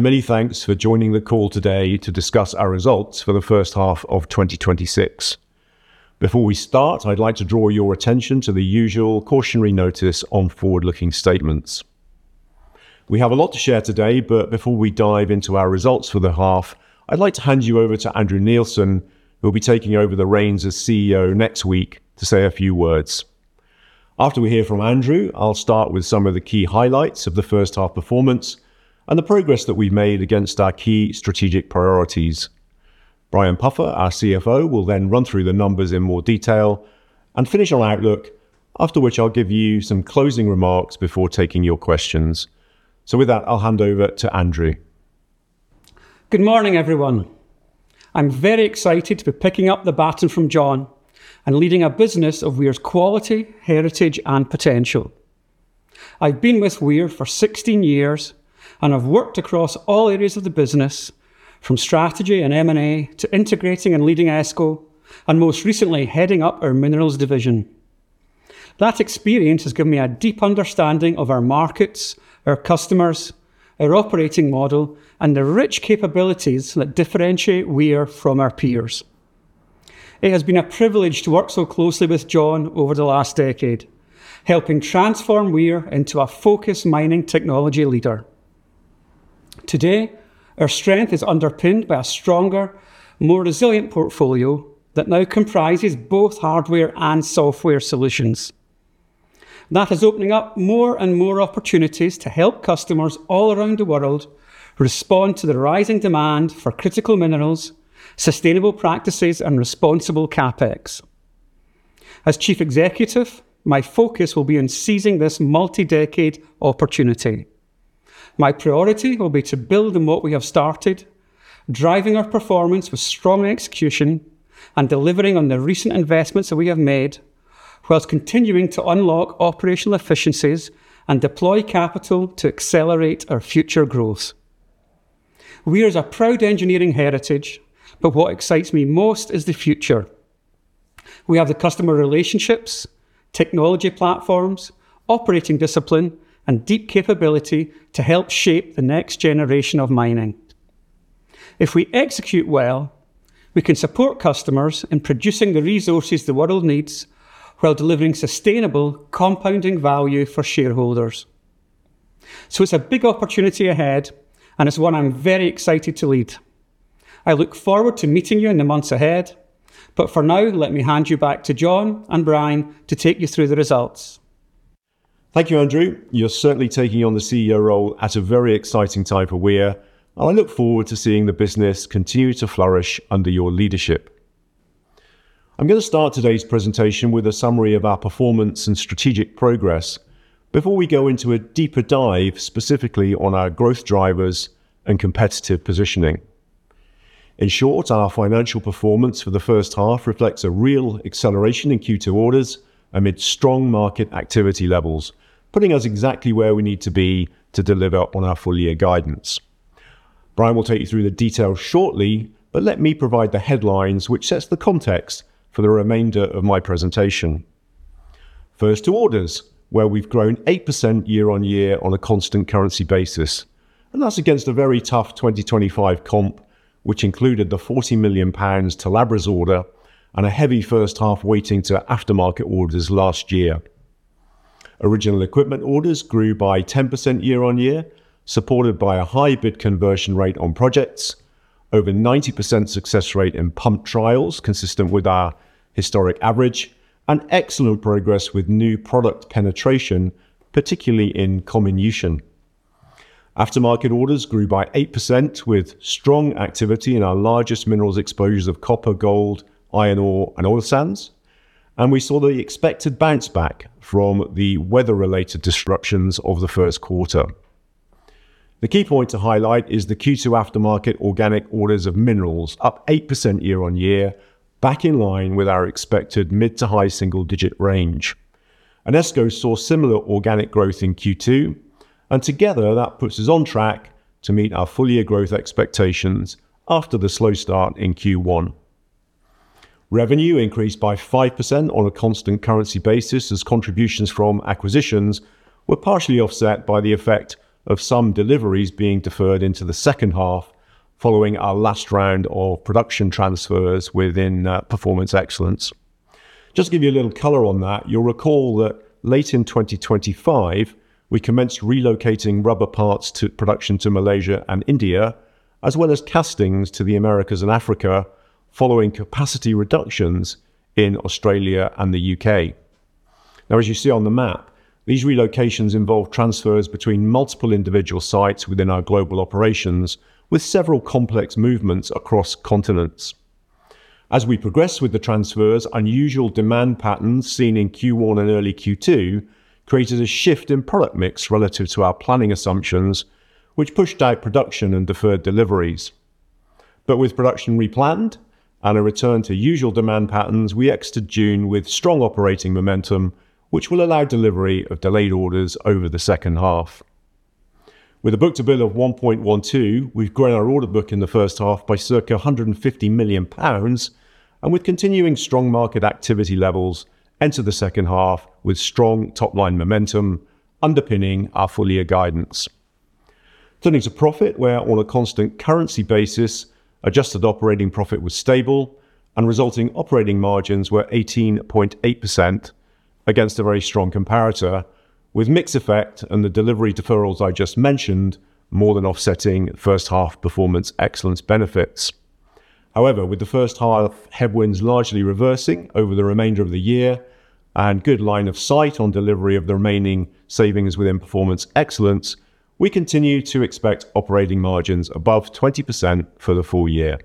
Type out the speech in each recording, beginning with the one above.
Many thanks for joining the call today to discuss our results for the first half of 2026. Before we start, I'd like to draw your attention to the usual cautionary notice on forward-looking statements. We have a lot to share today, but before we dive into our results for the half, I'd like to hand you over to Andrew Neilson, who'll be taking over the reins as CEO next week, to say a few words. After we hear from Andrew, I'll start with some of the key highlights of the first half performance and the progress that we've made against our key strategic priorities. Brian Puffer, our CFO, will then run through the numbers in more detail and finish on outlook, after which I'll give you some closing remarks before taking your questions With that, I'll hand over to Andrew. Good morning, everyone. I'm very excited to be picking up the baton from Jon and leading a business of Weir's quality, heritage, and potential. I've been with Weir for 16 years and have worked across all areas of the business from strategy and M&A to integrating and leading ESCO, and most recently, heading up our Minerals Division. That experience has given me a deep understanding of our markets, our customers, our operating model, and the rich capabilities that differentiate Weir from our peers. It has been a privilege to work so closely with Jon over the last decade, helping transform Weir into a focused mining technology leader. Today, our strength is underpinned by a stronger, more resilient portfolio that now comprises both hardware and software solutions. That is opening up more and more opportunities to help customers all around the world respond to the rising demand for critical minerals, sustainable practices, and responsible CapEx. As chief executive, my focus will be on seizing this multi-decade opportunity. My priority will be to build on what we have started, driving our performance with strong execution and delivering on the recent investments that we have made whilst continuing to unlock operational efficiencies and deploy capital to accelerate our future growth. Weir has a proud engineering heritage, but what excites me most is the future. We have the customer relationships, technology platforms, operating discipline, and deep capability to help shape the next generation of mining. If we execute well, we can support customers in producing the resources the world needs while delivering sustainable compounding value for shareholders. It's a big opportunity ahead, and it's one I'm very excited to lead. I look forward to meeting you in the months ahead. For now, let me hand you back to Jon and Brian to take you through the results. Thank you, Andrew. You're certainly taking on the CEO role at a very exciting time for Weir, and I look forward to seeing the business continue to flourish under your leadership. I'm going to start today's presentation with a summary of our performance and strategic progress before we go into a deeper dive, specifically on our growth drivers and competitive positioning. In short, our financial performance for the first half reflects a real acceleration in Q2 orders amid strong market activity levels, putting us exactly where we need to be to deliver on our full-year guidance. Brian will take you through the details shortly, but let me provide the headlines, which sets the context for the remainder of my presentation. First to orders, where we've grown 8% year-on-year on a constant currency basis, that's against a very tough 2025 comp, which included the 40 million pounds Talabre order and a heavy first half weighting to aftermarket orders last year. Original equipment orders grew by 10% year-on-year, supported by a high bid conversion rate on projects, over 90% success rate in pump trials consistent with our historic average, and excellent progress with new product penetration, particularly in comminution. Aftermarket orders grew by 8% with strong activity in our largest minerals exposures of copper, gold, iron ore, and oil sands. We saw the expected bounce back from the weather-related disruptions of the first quarter. The key point to highlight is the Q2 aftermarket organic orders of minerals up 8% year-on-year back in line with our expected mid to high single-digit range. ESCO saw similar organic growth in Q2, together that puts us on track to meet our full-year growth expectations after the slow start in Q1. Revenue increased by 5% on a constant currency basis as contributions from acquisitions were partially offset by the effect of some deliveries being deferred into the second half following our last round of production transfers within Performance Excellence. Just to give you a little color on that, you'll recall that late in 2025, we commenced relocating rubber parts to production to Malaysia and India, as well as castings to the Americas and Africa following capacity reductions in Australia and the U.K. As you see on the map, these relocations involve transfers between multiple individual sites within our global operations with several complex movements across continents. As we progress with the transfers, unusual demand patterns seen in Q1 and early Q2 created a shift in product mix relative to our planning assumptions, which pushed out production and deferred deliveries. With production replanned and a return to usual demand patterns, we exit June with strong operating momentum, which will allow delivery of delayed orders over the second half. With a book-to-bill of 1.12, we've grown our order book in the first half by circa 150 million pounds and with continuing strong market activity levels, enter the second half with strong top-line momentum underpinning our full-year guidance. Turning to profit, where on a constant currency basis adjusted operating profit was stable and resulting operating margins were 18.8% against a very strong comparator with mix effect and the delivery deferrals I just mentioned more than offsetting first half Performance Excellence benefits. With the first half headwinds largely reversing over the remainder of the year and good line of sight on delivery of the remaining savings within Performance Excellence, we continue to expect operating margins above 20% for the full year.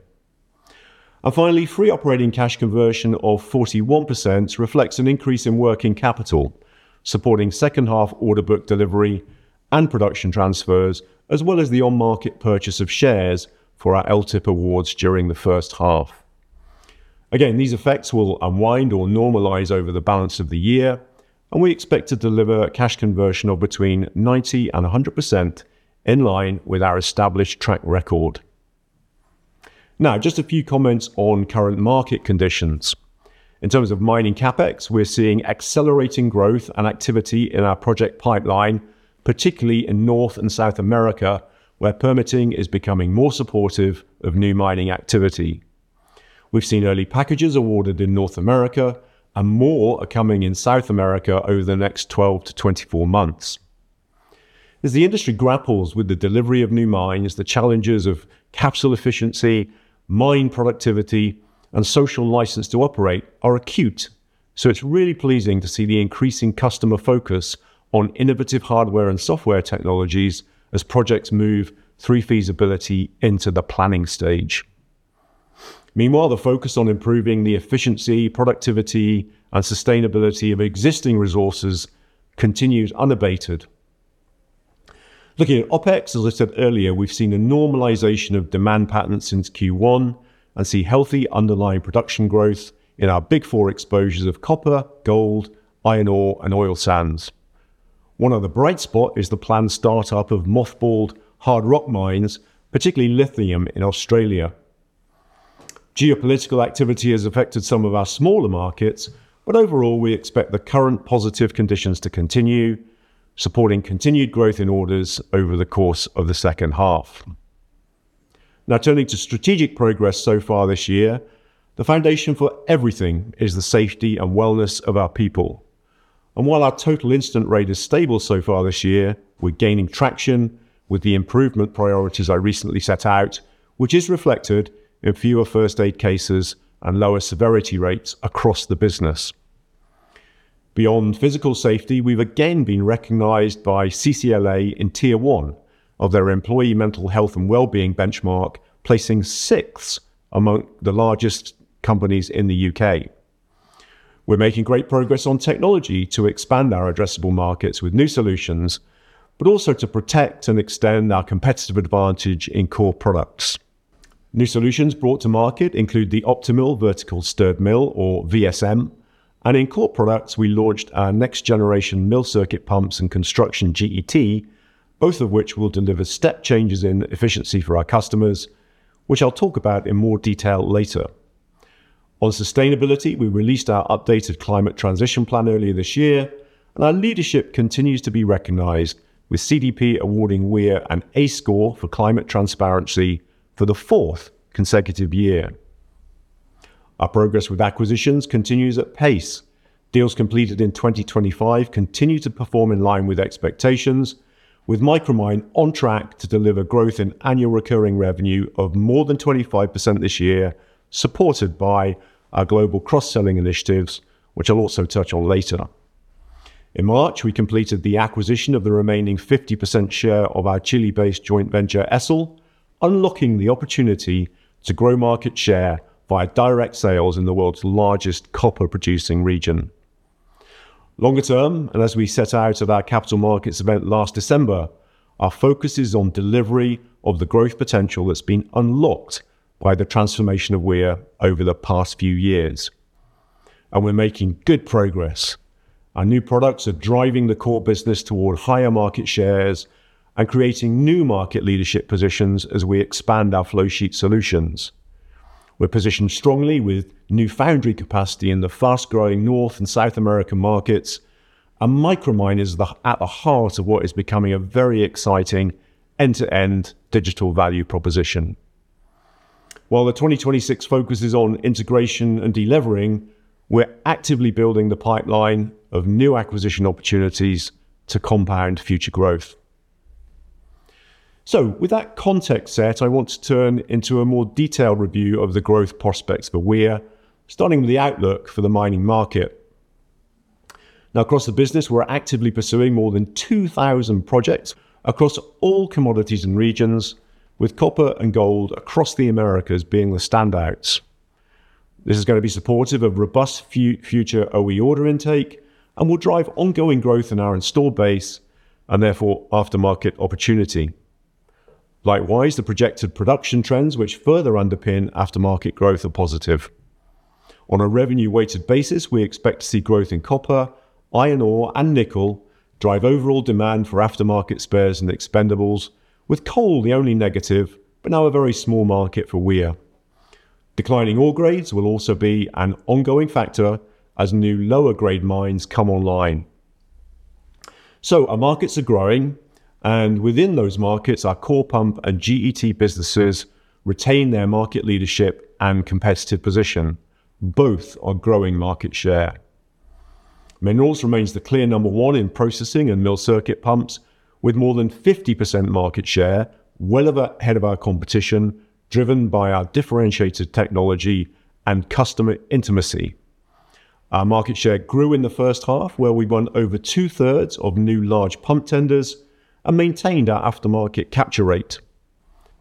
Finally, free operating cash conversion of 41% reflects an increase in working capital, supporting second half order book delivery and production transfers, as well as the on-market purchase of shares for our LTIP awards during the first half. These effects will unwind or normalize over the balance of the year, and we expect to deliver cash conversion of between 90%-100%, in line with our established track record. Just a few comments on current market conditions. In terms of mining CapEx, we're seeing accelerating growth and activity in our project pipeline, particularly in North and South America, where permitting is becoming more supportive of new mining activity. We've seen early packages awarded in North America and more are coming in South America over the next 12-24 months. As the industry grapples with the delivery of new mines, the challenges of capital efficiency, mine productivity, and social license to operate are acute. It's really pleasing to see the increasing customer focus on innovative hardware and software technologies as projects move through feasibility into the planning stage. Meanwhile, the focus on improving the efficiency, productivity, and sustainability of existing resources continues unabated. Looking at OpEx, as I said earlier, we've seen a normalization of demand patterns since Q1 and see healthy underlying production growth in our big four exposures of copper, gold, iron ore, and oil sands. One of the bright spot is the planned start-up of mothballed hard rock mines, particularly lithium in Australia. Geopolitical activity has affected some of our smaller markets, but overall, we expect the current positive conditions to continue, supporting continued growth in orders over the course of the second half. Turning to strategic progress so far this year, the foundation for everything is the safety and wellness of our people. While our total incident rate is stable so far this year, we're gaining traction with the improvement priorities I recently set out, which is reflected in fewer first-aid cases and lower severity rates across the business. Beyond physical safety, we've again been recognized by CCLA in Tier 1 of their employee mental health and wellbeing benchmark, placing sixth among the largest companies in the U.K. We're making great progress on technology to expand our addressable markets with new solutions, but also to protect and extend our competitive advantage in core products. New solutions brought to market include the Optimil vertical stirred mill, or VSM, and in core products, we launched our next generation mill circuit pumps and construction GET, both of which will deliver step changes in efficiency for our customers, which I'll talk about in more detail later. On sustainability, we released our updated climate transition plan earlier this year, and our leadership continues to be recognized with CDP awarding Weir an A score for climate transparency for the fourth consecutive year. Our progress with acquisitions continues at pace. Deals completed in 2025 continue to perform in line with expectations, with Micromine on track to deliver growth in annual recurring revenue of more than 25% this year, supported by our global cross-selling initiatives, which I'll also touch on later. In March, we completed the acquisition of the remaining 50% share of our Chile-based joint venture, ESEL, unlocking the opportunity to grow market share via direct sales in the world's largest copper-producing region. Longer term, as we set out at our capital markets event last December, our focus is on delivery of the growth potential that's been unlocked by the transformation of Weir over the past few years. We're making good progress. Our new products are driving the core business toward higher market shares and creating new market leadership positions as we expand our flow sheet solutions. We're positioned strongly with new foundry capacity in the fast-growing North and South American markets. Micromine is at the heart of what is becoming a very exciting end-to-end digital value proposition. While the 2026 focus is on integration and delevering, we're actively building the pipeline of new acquisition opportunities to compound future growth. With that context set, I want to turn into a more detailed review of the growth prospects for Weir, starting with the outlook for the mining market. Across the business, we're actively pursuing more than 2,000 projects across all commodities and regions, with copper and gold across the Americas being the standouts. This is going to be supportive of robust future OE order intake and will drive ongoing growth in our installed base and therefore aftermarket opportunity. Likewise, the projected production trends which further underpin aftermarket growth are positive. On a revenue-weighted basis, we expect to see growth in copper, iron ore, and nickel drive overall demand for aftermarket spares and expendables, with coal the only negative but now a very small market for Weir. Declining ore grades will also be an ongoing factor as new lower grade mines come online. Our markets are growing, and within those markets, our core pump and GET businesses retain their market leadership and competitive position. Both are growing market share. Minerals remains the clear number one in processing and mill circuit pumps, with more than 50% market share, well ahead of our competition, driven by our differentiated technology and customer intimacy. Our market share grew in the first half, where we won over two-thirds of new large pump tenders and maintained our aftermarket capture rate.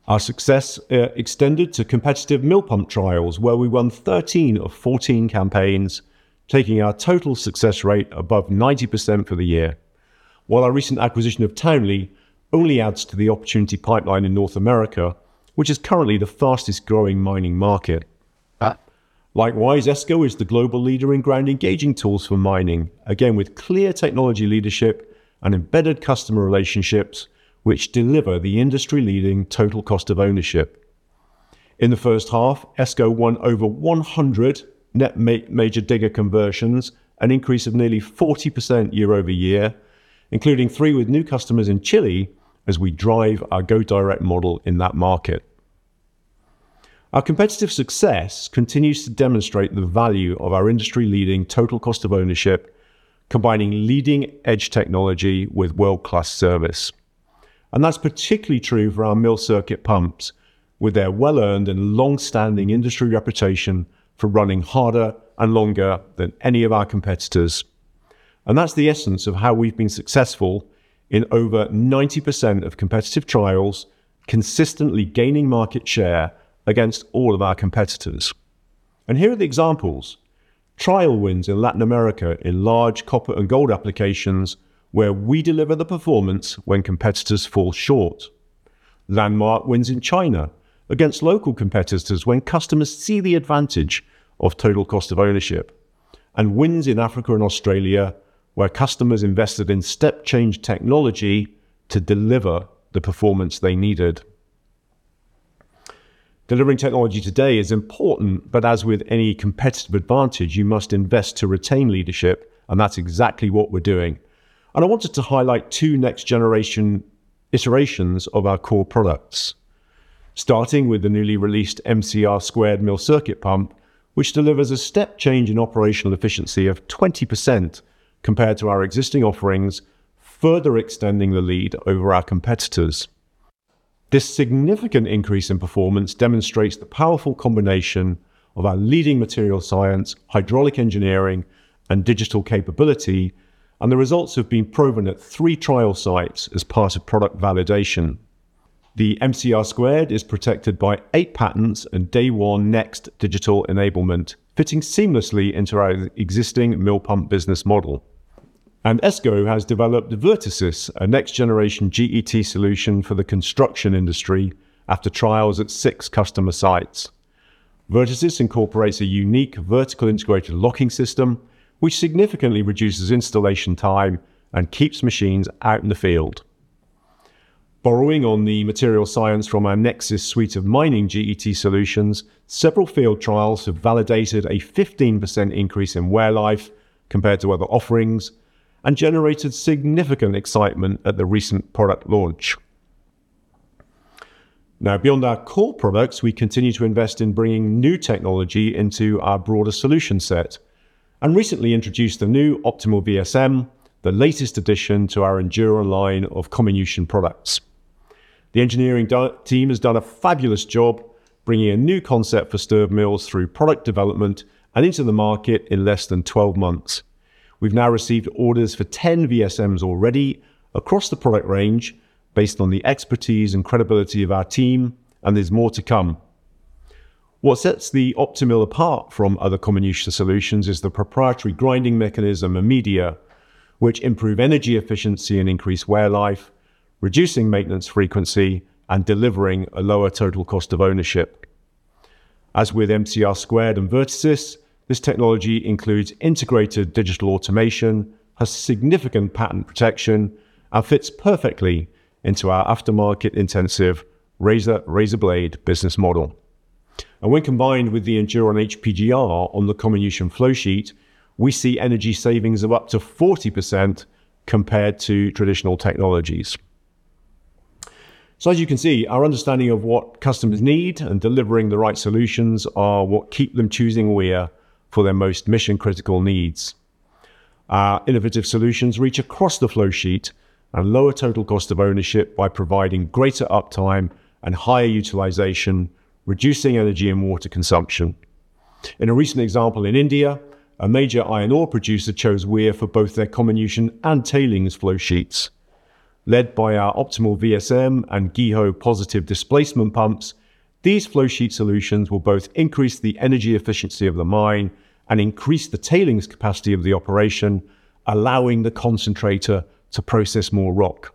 Our success extended to competitive mill pump trials, where we won 13 of 14 campaigns, taking our total success rate above 90% for the year. While our recent acquisition of Townley only adds to the opportunity pipeline in North America, which is currently the fastest growing mining market. Likewise, ESCO is the global leader in ground engaging tools for mining, again with clear technology leadership and embedded customer relationships, which deliver the industry-leading total cost of ownership. In the first half, ESCO won over 100 net major digger conversions, an increase of nearly 40% year-over-year, including three with new customers in Chile as we drive our go direct model in that market. Our competitive success continues to demonstrate the value of our industry-leading total cost of ownership, combining leading-edge technology with world-class service. That's particularly true for our mill circuit pumps, with their well-earned and long-standing industry reputation for running harder and longer than any of our competitors. That's the essence of how we've been successful in over 90% of competitive trials, consistently gaining market share against all of our competitors. Here are the examples. Trial wins in Latin America in large copper and gold applications, where we deliver the performance when competitors fall short. Landmark wins in China against local competitors when customers see the advantage of total cost of ownership. Wins in Africa and Australia, where customers invested in step change technology to deliver the performance they needed. Delivering technology today is important, but as with any competitive advantage, you must invest to retain leadership, and that's exactly what we're doing. I wanted to highlight two next generation iterations of our core products. Starting with the newly released WARMAN MCR² mill circuit pump, which delivers a step change in operational efficiency of 20% compared to our existing offerings, further extending the lead over our competitors. This significant increase in performance demonstrates the powerful combination of our leading material science, hydraulic engineering, and digital capability, and the results have been proven at three trial sites as part of product validation. The WARMAN MCR² is protected by eight patents and day one next digital enablement, fitting seamlessly into our existing mill pump business model. ESCO has developed the Vertasys, a next generation GET solution for the construction industry after trials at six customer sites. Vertasys incorporates a unique vertical integrated locking system, which significantly reduces installation time and keeps machines out in the field. Borrowing on the material science from our Nexsys suite of mining GET solutions, several field trials have validated a 15% increase in wear life compared to other offerings and generated significant excitement at the recent product launch. Beyond our core products, we continue to invest in bringing new technology into our broader solution set and recently introduced the new Optimil VSM, the latest addition to our ENDURON line of comminution products. The engineering team has done a fabulous job bringing a new concept for stirred mills through product development and into the market in less than 12 months. We've now received orders for 10 VSMs already across the product range based on the expertise and credibility of our team, there's more to come. What sets the Optimil apart from other comminution solutions is the proprietary grinding mechanism and media, which improve energy efficiency and increase wear life, reducing maintenance frequency and delivering a lower total cost of ownership. As with WARMAN MCR² and Vertasys, this technology includes integrated digital automation, has significant patent protection, and fits perfectly into our aftermarket-intensive razor blade business model. When combined with the ENDURON HPGR on the comminution flow sheet, we see energy savings of up to 40% compared to traditional technologies. As you can see, our understanding of what customers need and delivering the right solutions are what keep them choosing Weir for their most mission-critical needs. Our innovative solutions reach across the flow sheet and lower total cost of ownership by providing greater uptime and higher utilization, reducing energy and water consumption. In a recent example in India, a major iron ore producer chose Weir for both their comminution and tailings flow sheets. Led by our Optimil VSM and GEHO positive displacement pumps, these flow sheet solutions will both increase the energy efficiency of the mine and increase the tailings capacity of the operation, allowing the concentrator to process more rock.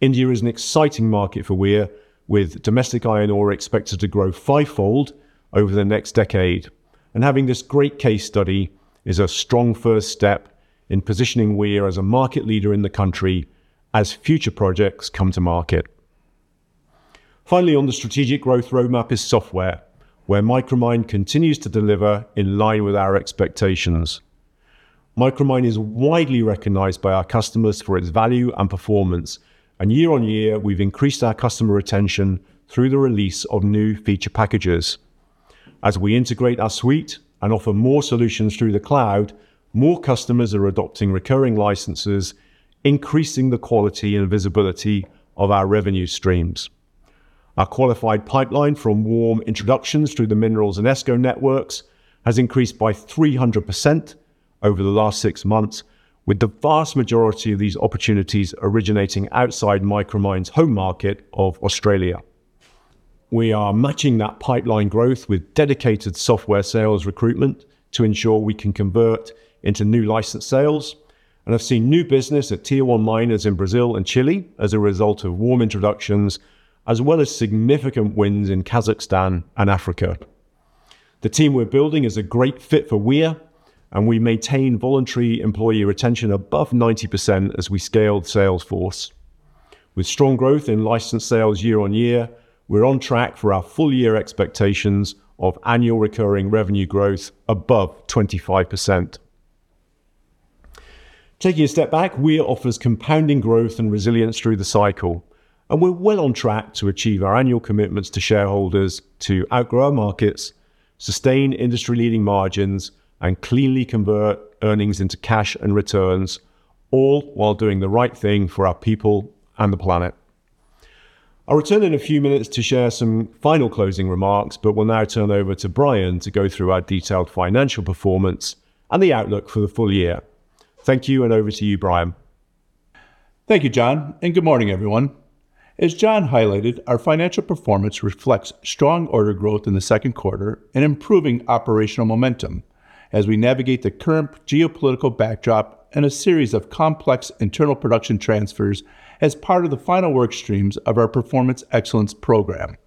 India is an exciting market for Weir, with domestic iron ore expected to grow fivefold over the next decade. Having this great case study is a strong first step in positioning Weir as a market leader in the country as future projects come to market. Finally, on the strategic growth roadmap is software, where Micromine continues to deliver in line with our expectations. Micromine is widely recognized by our customers for its value and performance, and year-on-year, we've increased our customer retention through the release of new feature packages. As we integrate our suite and offer more solutions through the cloud, more customers are adopting recurring licenses, increasing the quality and visibility of our revenue streams. Our qualified pipeline from warm introductions through the Minerals and ESCO networks has increased by 300% over the last six months, with the vast majority of these opportunities originating outside Micromine's home market of Australia. We are matching that pipeline growth with dedicated software sales recruitment to ensure we can convert into new license sales. I've seen new business at Tier 1 miners in Brazil and Chile as a result of warm introductions, as well as significant wins in Kazakhstan and Africa. The team we're building is a great fit for Weir, and we maintain voluntary employee retention above 90% as we scale the sales force. With strong growth in licensed sales year-on-year, we're on track for our full year expectations of annual recurring revenue growth above 25%. Taking a step back, Weir offers compounding growth and resilience through the cycle, and we're well on track to achieve our annual commitments to shareholders to outgrow our markets, sustain industry-leading margins, and cleanly convert earnings into cash and returns, all while doing the right thing for our people and the planet. I'll return in a few minutes to share some final closing remarks, but will now turn over to Brian to go through our detailed financial performance and the outlook for the full year. Thank you, and over to you, Brian. Thank you, Jon, and good morning, everyone. As Jon highlighted, our financial performance reflects strong order growth in the second quarter and improving operational momentum as we navigate the current geopolitical backdrop and a series of complex internal production transfers as part of the final work streams of our Performance Excellence program.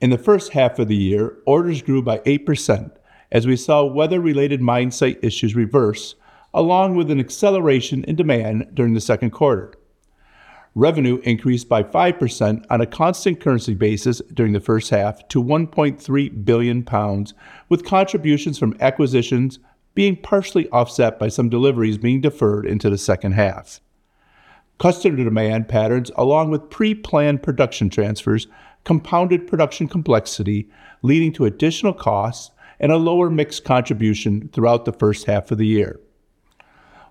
In the first half of the year, orders grew by 8% as we saw weather-related mine site issues reverse, along with an acceleration in demand during the second quarter. Revenue increased by 5% on a constant currency basis during the first half to 1.3 billion pounds, with contributions from acquisitions being partially offset by some deliveries being deferred into the second half. Customer demand patterns, along with pre-planned production transfers, compounded production complexity, leading to additional costs and a lower mixed contribution throughout the first half of the year.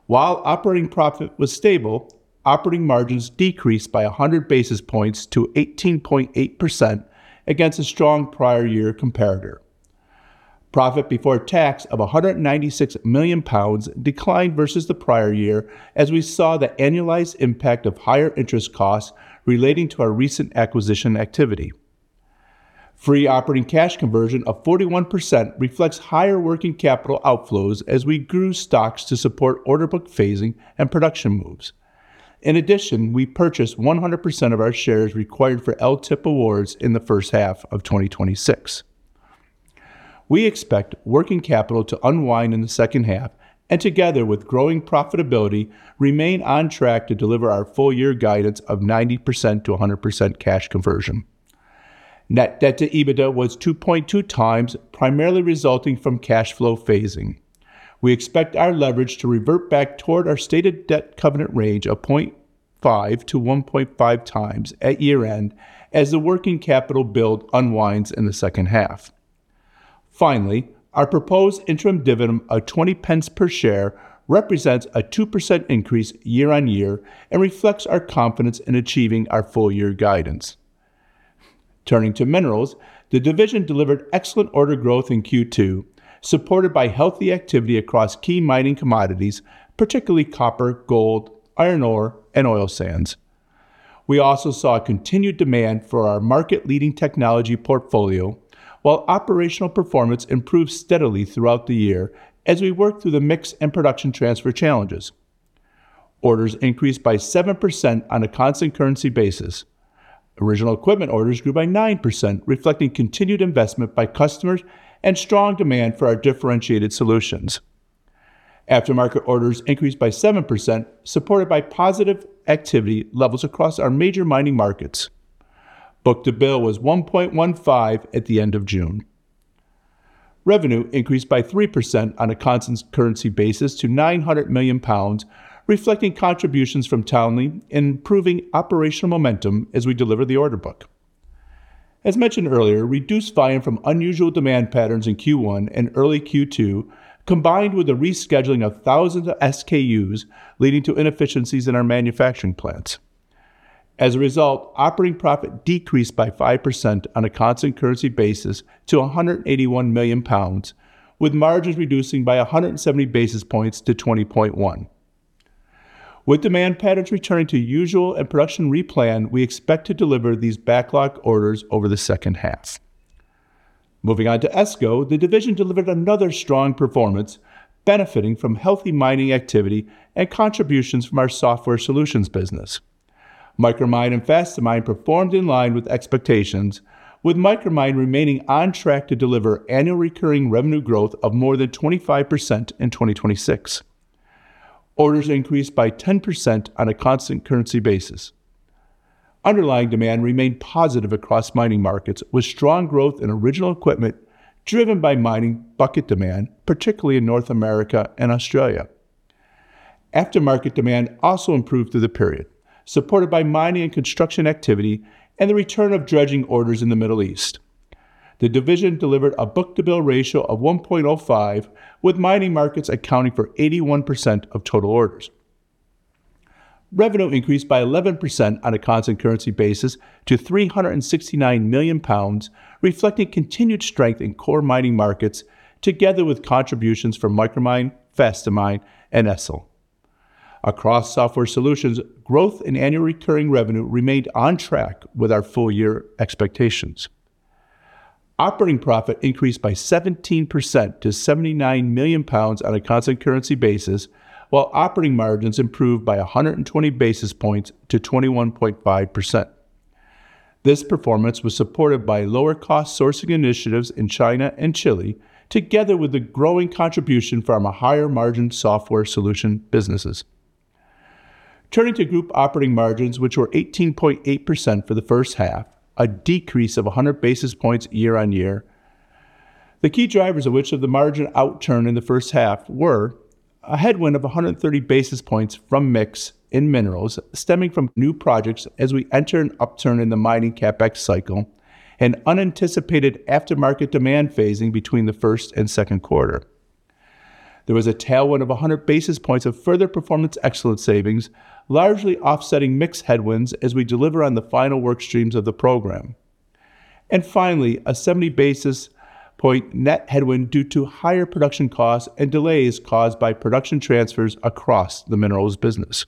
While operating profit was stable, operating margins decreased by 100 basis points to 18.8% against a strong prior year comparator. Profit before tax of 196 million pounds declined versus the prior year as we saw the annualized impact of higher interest costs relating to our recent acquisition activity. Free operating cash conversion of 41% reflects higher working capital outflows as we grew stocks to support order book phasing and production moves. In addition, we purchased 100% of our shares required for LTIP awards in the first half of 2026. We expect working capital to unwind in the second half, and together with growing profitability, remain on track to deliver our full year guidance of 90%-100% cash conversion. Net debt to EBITDA was 2.2 times, primarily resulting from cash flow phasing. We expect our leverage to revert back toward our stated debt covenant range of 0.5 to 1.5 times at year-end as the working capital build unwinds in the second half. Finally, our proposed interim dividend of 0.20 per share represents a 2% increase year-on-year and reflects our confidence in achieving our full year guidance. Turning to Minerals, the division delivered excellent order growth in Q2, supported by healthy activity across key mining commodities, particularly copper, gold, iron ore, and oil sands. We also saw a continued demand for our market-leading technology portfolio while operational performance improved steadily throughout the year as we worked through the mix and production transfer challenges. Orders increased by 7% on a constant currency basis. Original equipment orders grew by 9%, reflecting continued investment by customers and strong demand for our differentiated solutions. Aftermarket orders increased by 7%, supported by positive activity levels across our major mining markets. Book-to-bill was 1.15 at the end of June. Revenue increased by 3% on a constant currency basis to 900 million pounds, reflecting contributions from Townley and improving operational momentum as we deliver the order book. As mentioned earlier, reduced volume from unusual demand patterns in Q1 and early Q2, combined with the rescheduling of thousands of SKUs, leading to inefficiencies in our manufacturing plants. As a result, operating profit decreased by 5% on a constant currency basis to 181 million pounds, with margins reducing by 170 basis points to 20.1%. With demand patterns returning to usual and production replan, we expect to deliver these backlog orders over the second half. Moving on to ESCO, the division delivered another strong performance, benefiting from healthy mining activity and contributions from our software solutions business. Micromine and Fast2Mine performed in line with expectations, with Micromine remaining on track to deliver annual recurring revenue growth of more than 25% in 2026. Orders increased by 10% on a constant currency basis. Underlying demand remained positive across mining markets, with strong growth in original equipment driven by mining bucket demand, particularly in North America and Australia. Aftermarket demand also improved through the period, supported by mining and construction activity and the return of dredging orders in the Middle East. The division delivered a book-to-bill ratio of 1.05, with mining markets accounting for 81% of total orders. Revenue increased by 11% on a constant currency basis to 369 million pounds, reflecting continued strength in core mining markets, together with contributions from Micromine, Fast2Mine and ESEL. Across software solutions, growth in annual recurring revenue remained on track with our full year expectations. Operating profit increased by 17% to 79 million pounds on a constant currency basis, while operating margins improved by 120 basis points to 21.5%. This performance was supported by lower cost sourcing initiatives in China and Chile, together with the growing contribution from our higher margin software solution businesses. Turning to group operating margins, which were 18.8% for the first half, a decrease of 100 basis points year-on-year. The key drivers of which of the margin outturn in the first half were a headwind of 130 basis points from mix in minerals stemming from new projects as we enter an upturn in the mining CapEx cycle, and unanticipated aftermarket demand phasing between the first and second quarter. There was a tailwind of 100 basis points of further Performance Excellence savings, largely offsetting mix headwinds as we deliver on the final workstreams of the program. Finally, a 70 basis point net headwind due to higher production costs and delays caused by production transfers across the minerals business.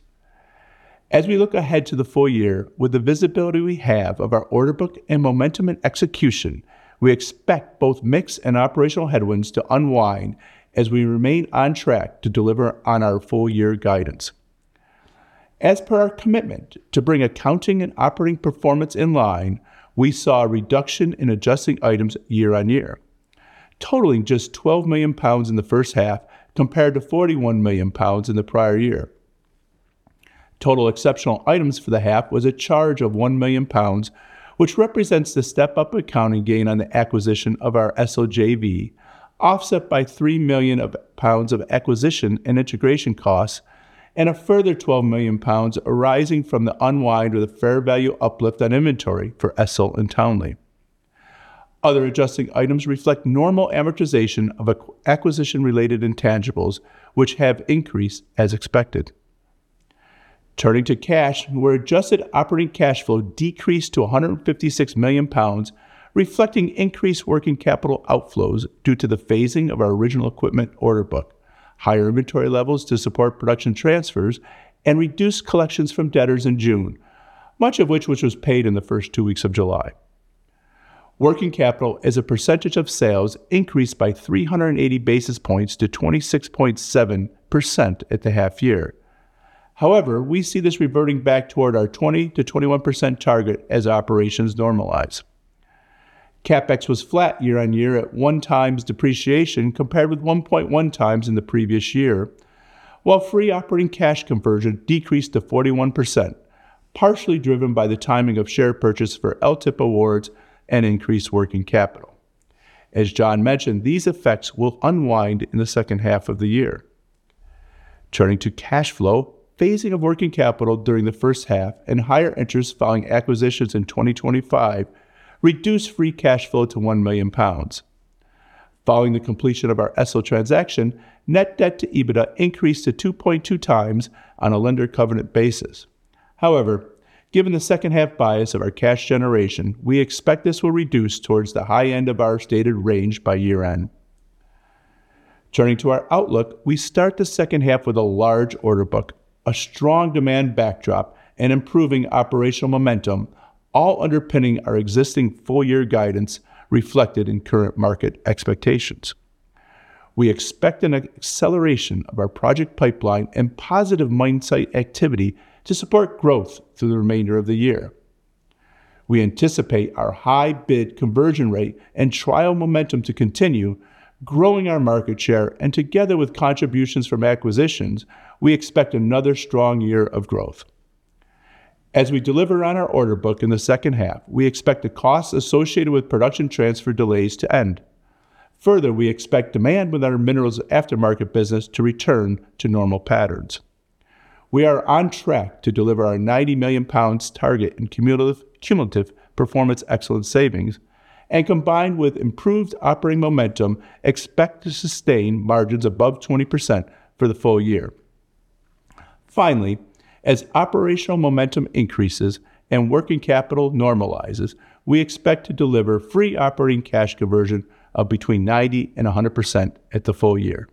As we look ahead to the full year with the visibility we have of our order book and momentum and execution, we expect both mix and operational headwinds to unwind as we remain on track to deliver on our full year guidance. As per our commitment to bring accounting and operating performance in line, we saw a reduction in adjusting items year-on-year, totaling just 12 million pounds in the first half, compared to 41 million pounds in the prior year. Total exceptional items for the half was a charge of 1 million pounds, which represents the step-up accounting gain on the acquisition of our ESEL JV, offset by 3 million pounds of acquisition and integration costs, and a further 12 million pounds arising from the unwind of the fair value uplift on inventory for ESEL and Townley. Other adjusting items reflect normal amortization of acquisition-related intangibles, which have increased as expected. Turning to cash, where adjusted operating cash flow decreased to 156 million pounds, reflecting increased working capital outflows due to the phasing of our original equipment order book, higher inventory levels to support production transfers, and reduced collections from debtors in June, much of which was paid in the first two weeks of July. Working capital as a percentage of sales increased by 380 basis points to 26.7% at the half year. However, we see this reverting back toward our 20%-21% target as operations normalize. CapEx was flat year-on-year at one times depreciation compared with 1.1 times in the previous year, while free operating cash conversion decreased to 41%, partially driven by the timing of share purchase for LTIP awards and increased working capital. As Jon mentioned, these effects will unwind in the second half of the year. Turning to cash flow, phasing of working capital during the first half and higher interest following acquisitions in 2025 reduced free cash flow to 1 million pounds. Following the completion of our ESEL transaction, net debt to EBITDA increased to 2.2 times on a lender covenant basis. However, given the second half bias of our cash generation, we expect this will reduce towards the high end of our stated range by year end. Turning to our outlook, we start the second half with a large order book, a strong demand backdrop, and improving operational momentum, all underpinning our existing full year guidance reflected in current market expectations. We expect an acceleration of our project pipeline and positive mine site activity to support growth through the remainder of the year. We anticipate our high bid conversion rate and trial momentum to continue growing our market share, and together with contributions from acquisitions, we expect another strong year of growth. As we deliver on our order book in the second half, we expect the costs associated with production transfer delays to end. Further, we expect demand with our Minerals aftermarket business to return to normal patterns. We are on track to deliver our 90 million pounds target in cumulative Performance Excellence savings, and combined with improved operating momentum, expect to sustain margins above 20% for the full year. Finally, as operational momentum increases and working capital normalizes, we expect to deliver free operating cash conversion of between 90% and 100% at the full year.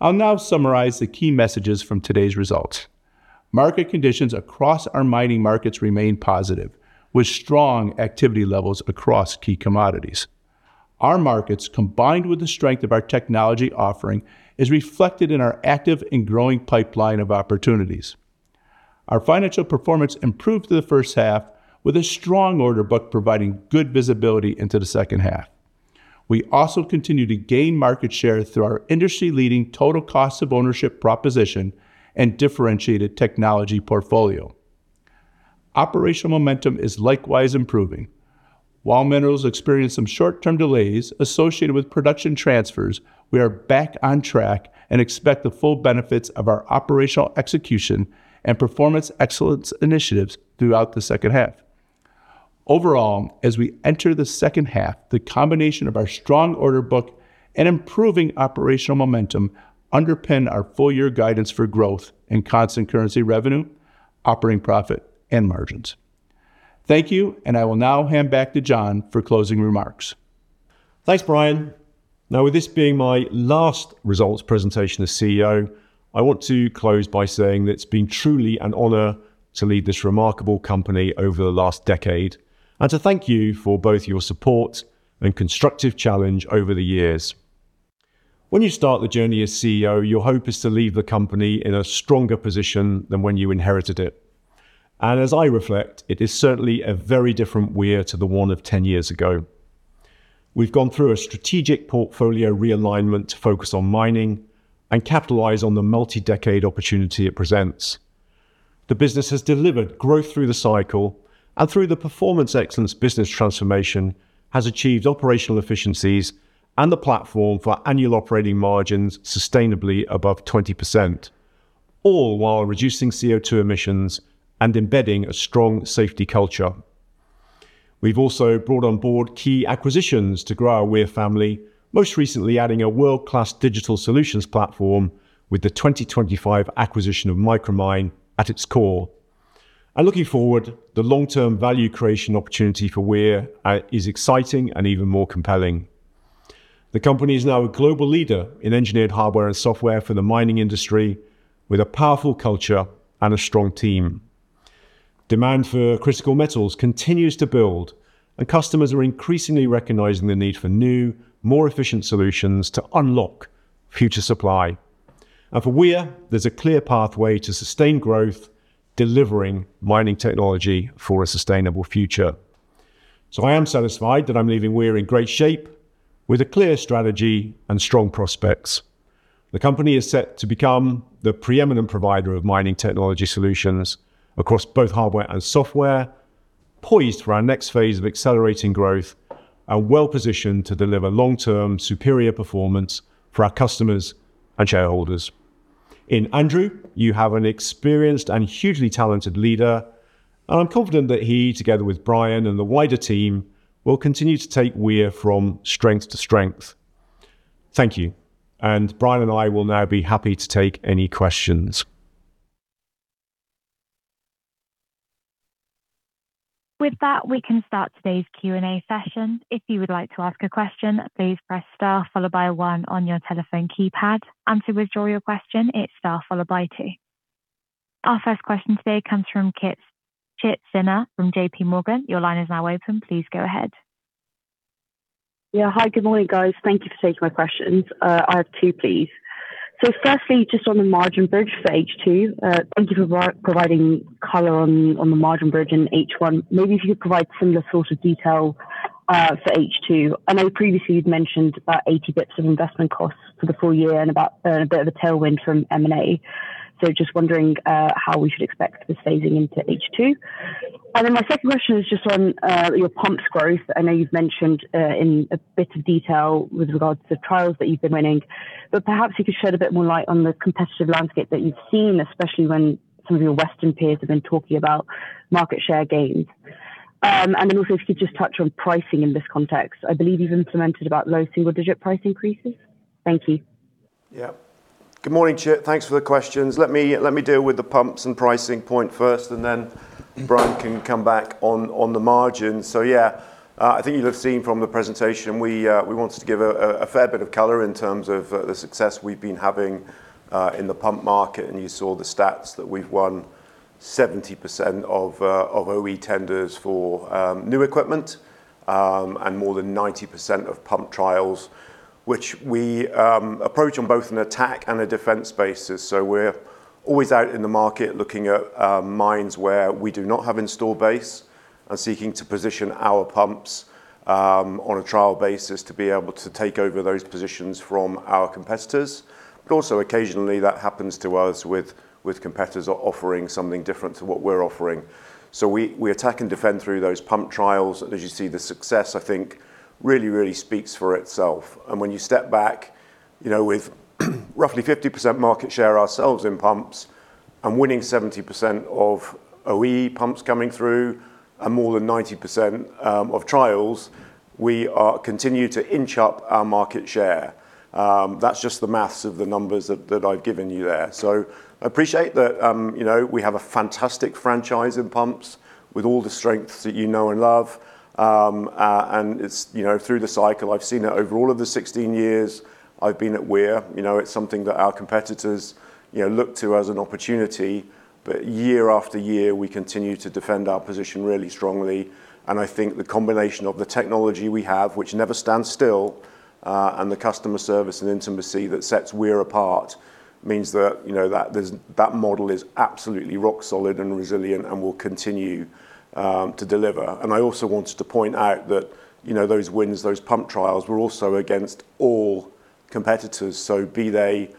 I'll now summarize the key messages from today's results. Market conditions across our mining markets remain positive, with strong activity levels across key commodities. Our markets, combined with the strength of our technology offering, is reflected in our active and growing pipeline of opportunities. Our financial performance improved through the first half with a strong order book providing good visibility into the second half. We also continue to gain market share through our industry-leading total cost of ownership proposition and differentiated technology portfolio. Operational momentum is likewise improving. While Minerals experienced some short-term delays associated with production transfers, we are back on track and expect the full benefits of our operational execution and Performance Excellence initiatives throughout the second half. Overall, as we enter the second half, the combination of our strong order book and improving operational momentum underpin our full year guidance for growth in constant currency revenue, operating profit, and margins. Thank you, and I will now hand back to Jon for closing remarks. Thanks, Brian. With this being my last results presentation as CEO, I want to close by saying that it's been truly an honor to lead this remarkable company over the last decade and to thank you for both your support and constructive challenge over the years. When you start the journey as CEO, your hope is to leave the company in a stronger position than when you inherited it. As I reflect, it is certainly a very different Weir to the one of 10 years ago. We've gone through a strategic portfolio realignment to focus on mining and capitalize on the multi-decade opportunity it presents. The business has delivered growth through the cycle, and through the Performance Excellence business transformation, has achieved operational efficiencies and the platform for annual operating margins sustainably above 20%, all while reducing CO2 emissions and embedding a strong safety culture. We've also brought on board key acquisitions to grow our Weir family, most recently adding a world-class digital solutions platform with the 2025 acquisition of Micromine at its core. Looking forward, the long-term value creation opportunity for Weir is exciting and even more compelling. The company is now a global leader in engineered hardware and software for the mining industry with a powerful culture and a strong team. Demand for critical metals continues to build, customers are increasingly recognizing the need for new, more efficient solutions to unlock future supply. For Weir, there's a clear pathway to sustained growth, delivering mining technology for a sustainable future. I am satisfied that I'm leaving Weir in great shape with a clear strategy and strong prospects. The company is set to become the preeminent provider of mining technology solutions across both hardware and software, poised for our next phase of accelerating growth, well-positioned to deliver long-term superior performance for our customers and shareholders. Andrew, you have an experienced and hugely talented leader, I'm confident that he, together with Brian and the wider team, will continue to take Weir from strength to strength. Thank you. Brian and I will now be happy to take any questions. With that, we can start today's Q and A session. If you would like to ask a question, please press star followed by one on your telephone keypad. To withdraw your question, it's star followed by two. Our first question today comes from Kirti Sharma from JPMorgan. Your line is now open. Please go ahead. Hi, good morning, guys. Thank you for taking my questions. I have two, please. Firstly, just on the margin bridge for H2. Thank you for providing color on the margin bridge in H1. Maybe if you could provide similar sort of detail for H2. I know previously you'd mentioned about 80 basis points of investment costs for the full year and a bit of a tailwind from M&A. Just wondering how we should expect this phasing into H2. My second question is just on your pumps growth. I know you've mentioned in a bit of detail with regards to trials that you've been winning, but perhaps you could shed a bit more light on the competitive landscape that you've seen, especially when some of your Western peers have been talking about market share gains. If you could just touch on pricing in this context. I believe you've implemented about low single-digit price increases. Thank you. Good morning, Kirti. Thanks for the questions. Let me deal with the pumps and pricing point first, Brian can come back on the margin. I think you'll have seen from the presentation, we wanted to give a fair bit of color in terms of the success we've been having in the pump market, and you saw the stats that we've won 70% of OE tenders for new equipment, and more than 90% of pump trials, which we approach on both an attack and a defense basis. We're always out in the market looking at mines where we do not have install base and seeking to position our pumps on a trial basis to be able to take over those positions from our competitors. Also occasionally that happens to us with competitors offering something different to what we're offering. We attack and defend through those pump trials. As you see, the success, I think really speaks for itself. When you step back with roughly 50% market share ourselves in pumps and winning 70% of OE pumps coming through and more than 90% of trials, we continue to inch up our market share. That's just the maths of the numbers that I've given you there. I appreciate that we have a fantastic franchise in pumps with all the strengths that you know and love. Through the cycle, I've seen it over all of the 16 years I've been at Weir. It's something that our competitors look to as an opportunity. Year after year, we continue to defend our position really strongly. I think the combination of the technology we have, which never stands still, and the customer service and intimacy that sets Weir apart means that that model is absolutely rock solid and resilient and will continue to deliver. I also wanted to point out that those wins, those pump trials, were also against all competitors. Be they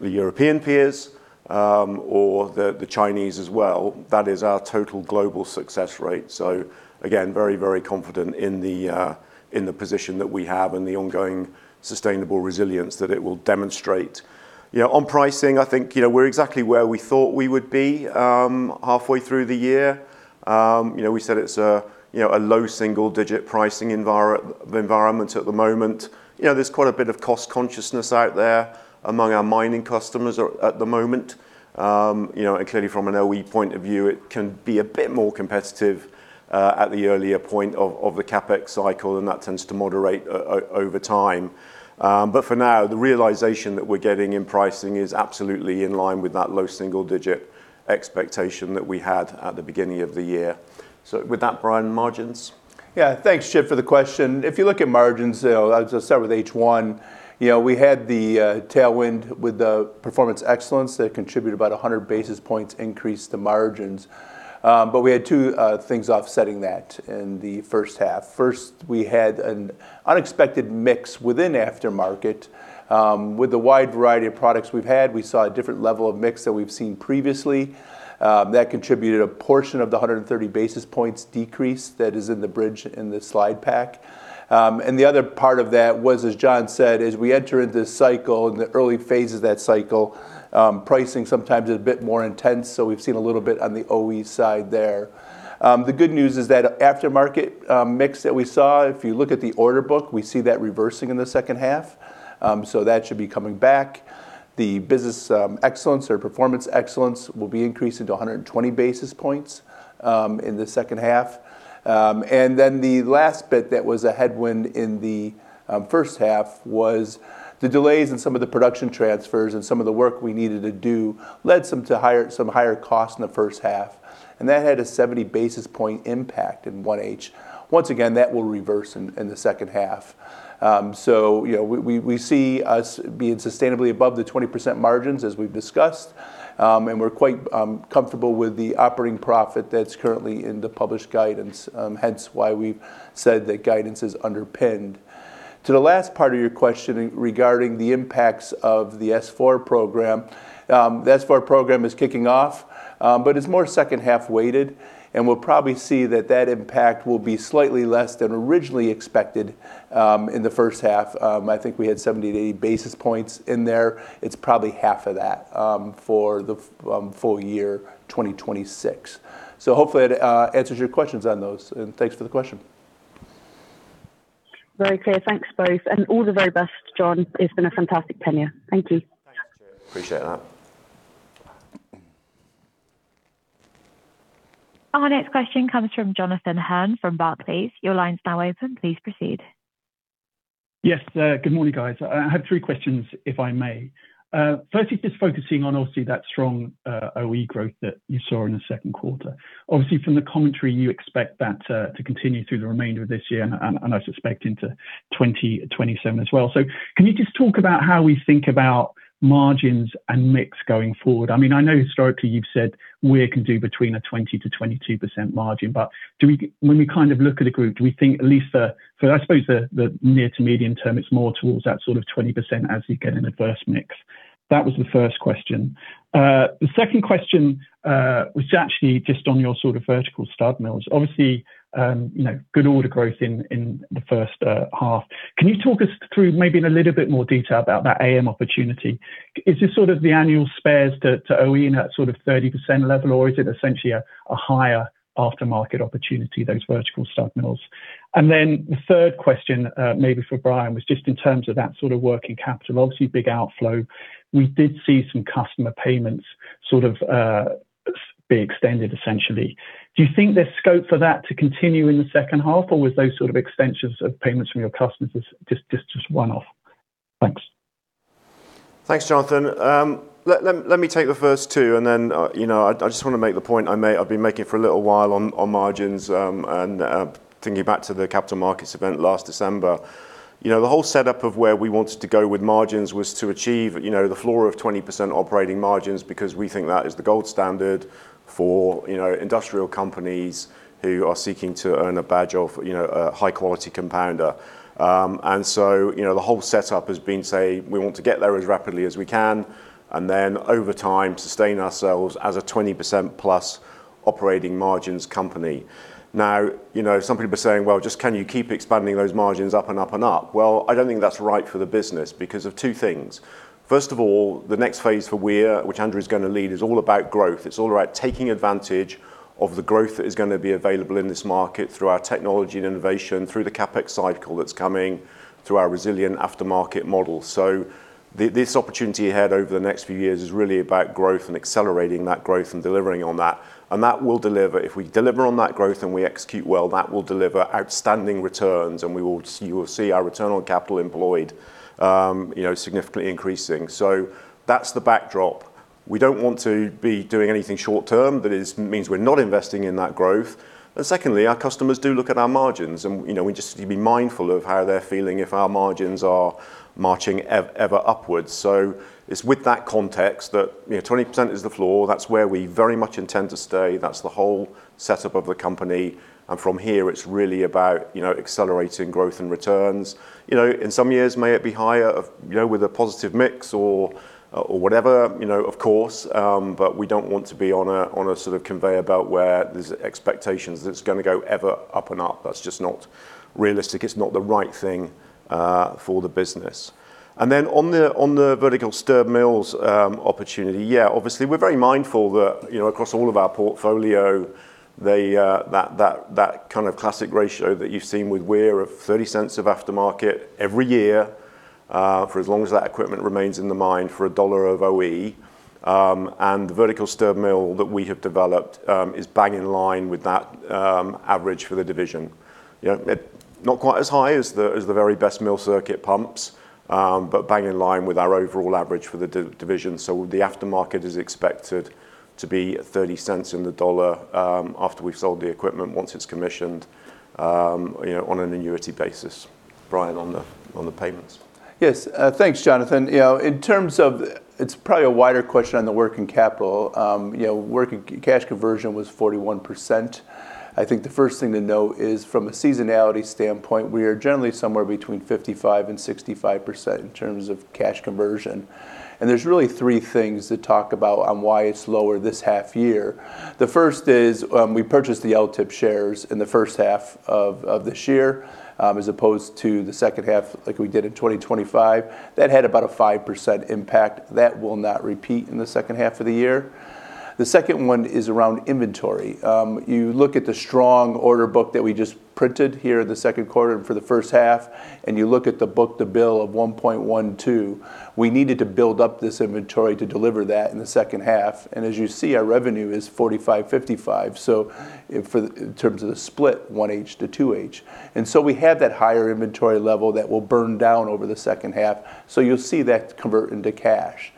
the European peers or the Chinese as well. That is our total global success rate. Again, very, very confident in the position that we have and the ongoing sustainable resilience that it will demonstrate. On pricing, I think we're exactly where we thought we would be halfway through the year. We said it's a low single-digit pricing environment at the moment. There's quite a bit of cost consciousness out there among our mining customers at the moment. Clearly, from an OE point of view, it can be a bit more competitive at the earlier point of the CapEx cycle, that tends to moderate over time. For now, the realization that we're getting in pricing is absolutely in line with that low single-digit expectation that we had at the beginning of the year. With that, Brian, margins? Thanks, Kirti, for the question. If you look at margins, I'll just start with H1. We had the tailwind with the Performance Excellence that contributed about 100 basis points increase to margins. We had two things offsetting that in the first half. First, we had an unexpected mix within aftermarket. With the wide variety of products we've had, we saw a different level of mix than we've seen previously. That contributed a portion of the 130 basis points decrease that is in the bridge in the slide pack. The other part of that was, as Jon said, as we enter into this cycle, in the early phases of that cycle, pricing sometimes is a bit more intense, so we've seen a little bit on the OE side there. The good news is that aftermarket mix that we saw, if you look at the order book, we see that reversing in the second half. That should be coming back. The Performance Excellence will be increased into 120 basis points in the second half. The last bit that was a headwind in the first half was the delays in some of the production transfers and some of the work we needed to do led to some higher costs in the first half. That had a 70 basis point impact in H1. Once again, that will reverse in the second half. We see us being sustainably above the 20% margins, as we've discussed. We're quite comfortable with the operating profit that's currently in the published guidance, hence why we've said that guidance is underpinned. To the last part of your question regarding the impacts of the S/4HANA program. The S/4HANA program is kicking off, it's more second-half weighted, we'll probably see that impact will be slightly less than originally expected in the first half. I think we had 70-80 basis points in there. It's probably half of that for the full year 2026. Hopefully that answers your questions on those, thanks for the question. Very clear. Thanks both, and all the very best, Jon. It's been a fantastic tenure. Thank you. Thanks. Appreciate that. Our next question comes from Jonathan Hurn from Barclays. Your line's now open, please proceed. Yes. Good morning, guys. I have three questions, if I may. Firstly, just focusing on, obviously, that strong OE growth that you saw in the second quarter. Obviously, from the commentary, you expect that to continue through the remainder of this year, and I suspect into 2027 as well. Can you just talk about how we think about margins and mix going forward? I know historically you've said Weir can do between a 20%-22% margin, but when we look at a group, do we think at least for, I suppose the near to medium term, it's more towards that sort of 20% as you get an adverse mix? That was the first question. The second question was actually just on your vertical stirred mills. Obviously, good order growth in the first half. Can you talk us through maybe in a little bit more detail about that AM opportunity? Is this sort of the annual spares to OE in that sort of 30% level, or is it essentially a higher aftermarket opportunity, those vertical stirred mills? The third question, maybe for Brian, was just in terms of that sort of working capital, obviously big outflow. We did see some customer payments be extended, essentially. Do you think there's scope for that to continue in the second half, or was those sort of extensions of payments from your customers just a one-off? Thanks. Thanks, Jonathan. Let me take the first two. I just want to make the point I've been making for a little while on margins, thinking back to the capital markets event last December. The whole setup of where we wanted to go with margins was to achieve the floor of 20% operating margins because we think that is the gold standard for industrial companies who are seeking to earn a badge of a high-quality compounder. The whole setup has been, say, we want to get there as rapidly as we can, over time, sustain ourselves as a 20% plus operating margins company. Now, some people are saying, "Well, just can you keep expanding those margins up and up and up?" Well, I don't think that's right for the business because of two things. First of all, the next phase for Weir, which Andrew is going to lead, is all about growth. It's all about taking advantage of the growth that is going to be available in this market through our technology and innovation, through the CapEx cycle that's coming, through our resilient aftermarket model. This opportunity ahead over the next few years is really about growth and accelerating that growth and delivering on that. That will deliver. If we deliver on that growth and we execute well, that will deliver outstanding returns, and you will see our return on capital employed significantly increasing. That's the backdrop. We don't want to be doing anything short-term that means we're not investing in that growth. Secondly, our customers do look at our margins and we just need to be mindful of how they're feeling if our margins are marching ever upwards. It's with that context that 20% is the floor. That's where we very much intend to stay. That's the whole setup of the company. From here, it's really about accelerating growth and returns. In some years, may it be higher with a positive mix or whatever, of course, but we don't want to be on a sort of conveyor belt where there's expectations that it's going to go ever up and up. That's just not realistic. It's not the right thing for the business. On the vertical stirred mills opportunity. Obviously, we're very mindful that across all of our portfolio, that kind of classic ratio that you've seen with Weir of 0.30 of aftermarket every year, for as long as that equipment remains in the mine for GBP 1 of OE. The vertical stirred mill that we have developed is bang in line with that average for the division. Not quite as high as the very best mill circuit pumps, but bang in line with our overall average for the division. The aftermarket is expected to be at 0.30 on the dollar after we've sold the equipment, once it's commissioned, on an annuity basis. Brian, on the payments. Yes. Thanks, Jonathan. In terms of, it's probably a wider question on the working capital. Working cash conversion was 41%. I think the first thing to note is from a seasonality standpoint, we are generally somewhere between 55%-65% in terms of cash conversion. There's really three things to talk about on why it's lower this half year. The first is we purchased the LTIP shares in the first half of this year, as opposed to the second half like we did in 2025. That had about a 5% impact. That will not repeat in the second half of the year. The second one is around inventory. You look at the strong order book that we just printed here the second quarter and for the first half, and you look at the book-to-bill of 1.12. We needed to build up this inventory to deliver that in the second half, and as you see, our revenue is 45/55, so in terms of the split, H1 to H2. We had that higher inventory level that will burn down over the second half. You'll see that convert into cash,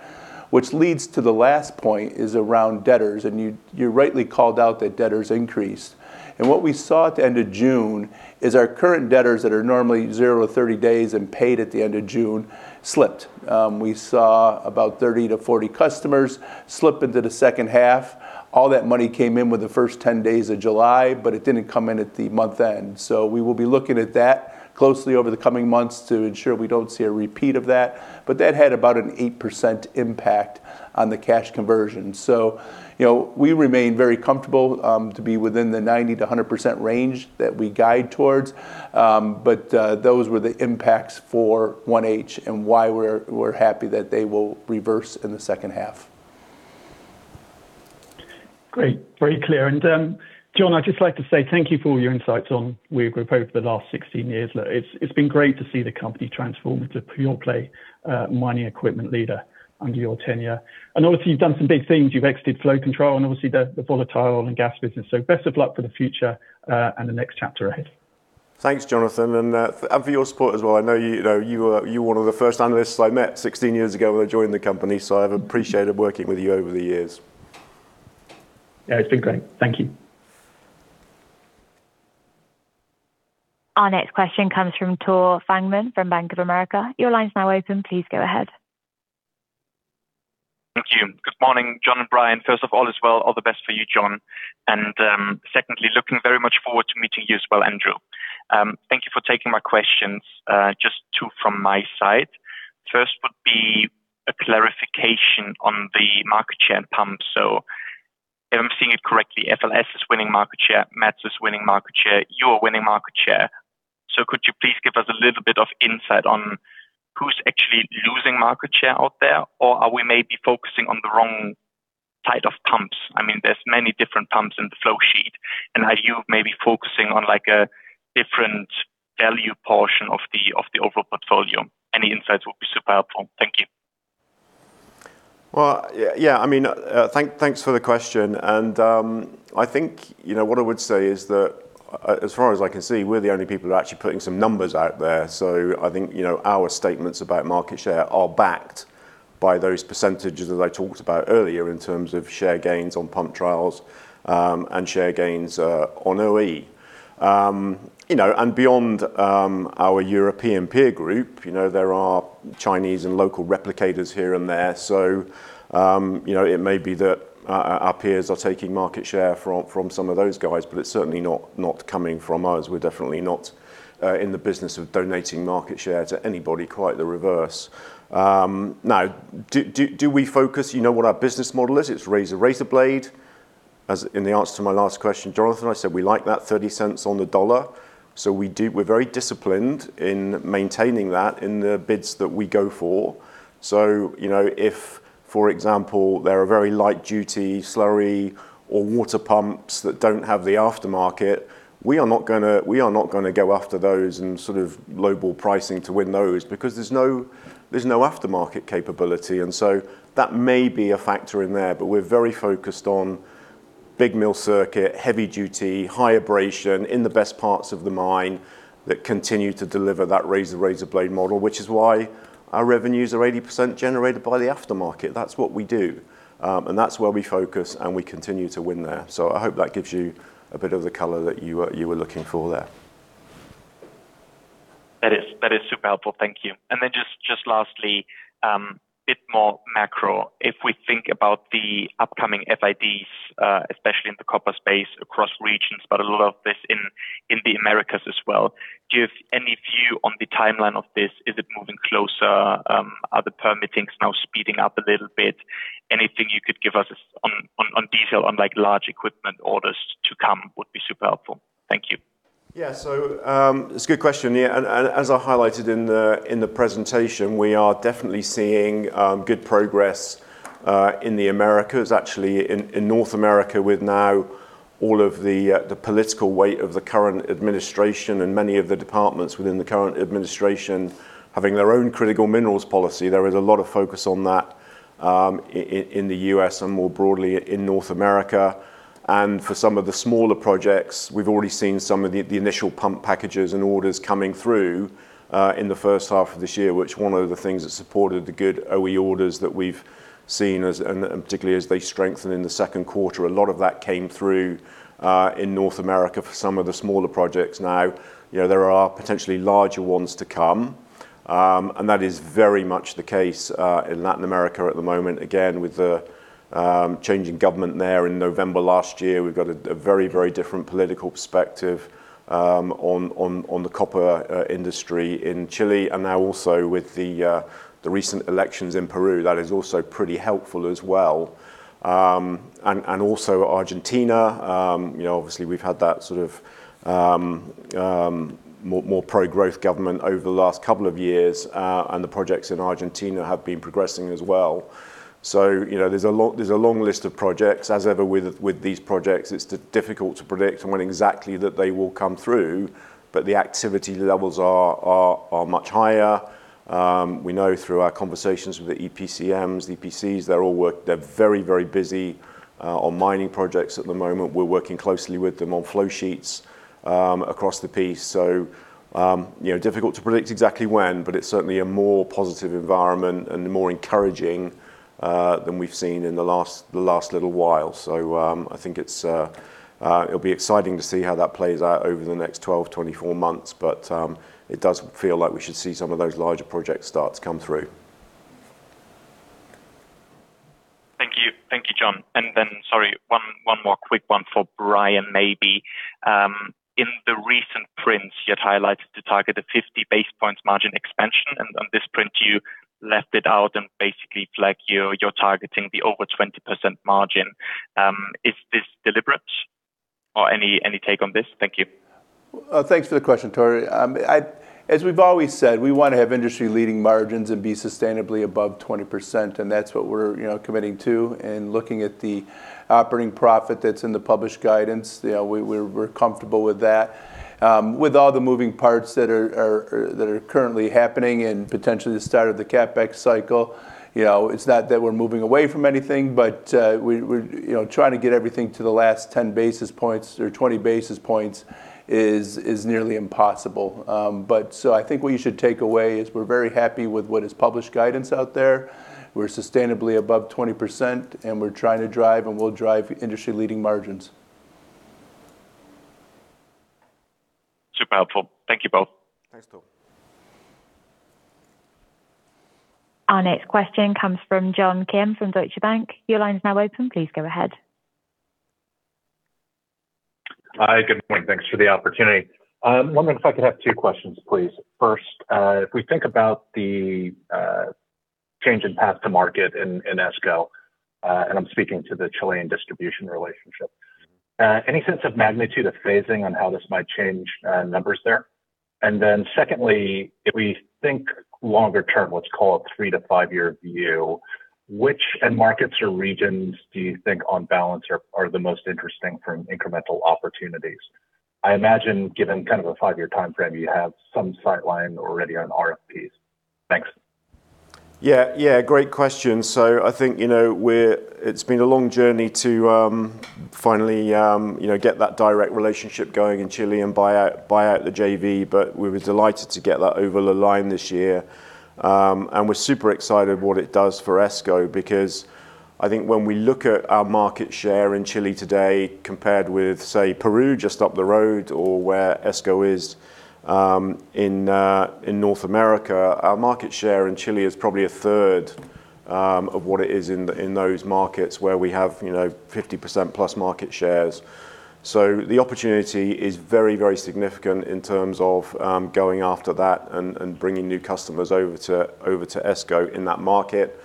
which leads to the last point is around debtors, and you rightly called out that debtors increased. What we saw at the end of June is our current debtors that are normally 0 to 30 days and paid at the end of June slipped. We saw about 30-40 customers slip into the second half. All that money came in with the first 10 days of July, but it didn't come in at the month end. We will be looking at that closely over the coming months to ensure we don't see a repeat of that. That had about an 8% impact on the cash conversion. We remain very comfortable to be within the 90%-100% range that we guide towards. Those were the impacts for H1 and why we're happy that they will reverse in the second half. Great. Very clear. Jon, I'd just like to say thank you for all your insights on Weir Group over the last 16 years. It's been great to see the company transform into a pure play mining equipment leader under your tenure. Obviously, you've done some big things. You've exited Flow Control and obviously the volatile oil and gas business. Best of luck for the future and the next chapter ahead. Thanks, Jonathan, and for your support as well. I know you were one of the first analysts I met 16 years ago when I joined the company, I've appreciated working with you over the years. Yeah, it's been great. Thank you. Our next question comes from Tore Fangmann from Bank of America. Your line's now open. Please go ahead. Thank you. Good morning, Jon and Brian. First of all as well, all the best for you, Jon. Secondly, looking very much forward to meeting you as well, Andrew. Thank you for taking my questions. Just two from my side. First would be a clarification on the market share pumps. If I'm seeing it correctly, FLSmidth is winning market share, Metso is winning market share, you're winning market share. Could you please give us a little bit of insight on who's actually losing market share out there? Or are we maybe focusing on the wrong type of pumps? There's many different pumps in the flow sheet, Are you maybe focusing on a different value portion of the overall portfolio? Any insights would be super helpful. Thank you. Well, yeah. Thanks for the question. I think what I would say is that as far as I can see, we're the only people who are actually putting some numbers out there. I think our statements about market share are backed by those percentages, as I talked about earlier, in terms of share gains on pump trials and share gains on OE. Beyond our European peer group, there are Chinese and local replicators here and there. It may be that our peers are taking market share from some of those guys, but it's certainly not coming from us. We're definitely not in the business of donating market share to anybody, quite the reverse. Now, do we focus, you know what our business model is? It's razor blade. As in the answer to my last question, Jonathan, I said we like that 30 cents on the dollar. We're very disciplined in maintaining that in the bids that we go for. If, for example, there are very light duty slurry or water pumps that don't have the aftermarket, we are not going to go after those and sort of low ball pricing to win those because there's no aftermarket capability. That may be a factor in there, but we're very focused on Big mill circuit, heavy duty, high abrasion in the best parts of the mine that continue to deliver that razor blade model, which is why our revenues are 80% generated by the aftermarket. That's what we do. That's where we focus, and we continue to win there. I hope that gives you a bit of the color that you were looking for there. That is super helpful. Thank you. Just lastly, a bit more macro. If we think about the upcoming FID, especially in the copper space across regions, but a lot of this in the Americas as well, do you have any view on the timeline of this? Is it moving closer? Are the permittings now speeding up a little bit? Anything you could give us on detail on large equipment orders to come would be super helpful. Thank you. Yeah. It's a good question. As I highlighted in the presentation, we are definitely seeing good progress in the Americas. Actually, in North America with now all of the political weight of the current administration and many of the departments within the current administration having their own critical minerals policy, there is a lot of focus on that in the U.S. and more broadly in North America. For some of the smaller projects, we've already seen some of the initial pump packages and orders coming through, in the first half of this year, which one of the things that supported the good OE orders that we've seen, and particularly as they strengthen in the second quarter, a lot of that came through, in North America for some of the smaller projects. There are potentially larger ones to come. That is very much the case in Latin America at the moment. Again, with the change in government there in November last year, we've got a very different political perspective on the copper industry in Chile, and now also with the recent elections in Peru, that is also pretty helpful as well. Also Argentina, obviously we've had that sort of more pro-growth government over the last couple of years, and the projects in Argentina have been progressing as well. There's a long list of projects. As ever with these projects, it's difficult to predict on when exactly that they will come through, but the activity levels are much higher. We know through our conversations with the EPCMs, the EPCs, they're very busy, on mining projects at the moment. We're working closely with them on flow sheets, across the piece. Difficult to predict exactly when, but it's certainly a more positive environment and more encouraging than we've seen in the last little while. I think it'll be exciting to see how that plays out over the next 12, 24 months. It does feel like we should see some of those larger project starts come through. Thank you, Jon. Sorry, one more quick one for Brian, maybe. In the recent prints, you had highlighted to target a 50 basis points margin expansion, and on this print you left it out and basically flagged you're targeting the over 20% margin. Is this deliberate or any take on this? Thank you. Thanks for the question, Tore. As we've always said, we want to have industry-leading margins and be sustainably above 20%, and that's what we're committing to. Looking at the operating profit that's in the published guidance, we're comfortable with that. With all the moving parts that are currently happening and potentially the start of the CapEx cycle, it's not that we're moving away from anything, but trying to get everything to the last 10 basis points or 20 basis points is nearly impossible. I think what you should take away is we're very happy with what is published guidance out there. We're sustainably above 20%, and we're trying to drive, and we'll drive industry-leading margins. Super helpful. Thank you both. Thanks, Tore. Our next question comes from John Kim from Deutsche Bank. Your line is now open. Please go ahead. Hi, good morning. Thanks for the opportunity. I'm wondering if I could have two questions, please. First, if we think about the change in path to market in ESCO, and I'm speaking to the Chilean distribution relationship, any sense of magnitude of phasing on how this might change numbers there? Secondly, if we think longer term, let's call it three to five-year view, which end markets or regions do you think on balance are the most interesting from incremental opportunities? I imagine given kind of a five-year timeframe, you have some sightline already on RFP. Thanks. Great question. I think it's been a long journey to finally get that direct relationship going in Chile and buy out the JV, but we were delighted to get that over the line this year. We're super excited what it does for ESCO because I think when we look at our market share in Chile today compared with, say, Peru just up the road or where ESCO is in North America, our market share in Chile is probably a third of what it is in those markets where we have 50% plus market shares. The opportunity is very significant in terms of going after that and bringing new customers over to ESCO in that market.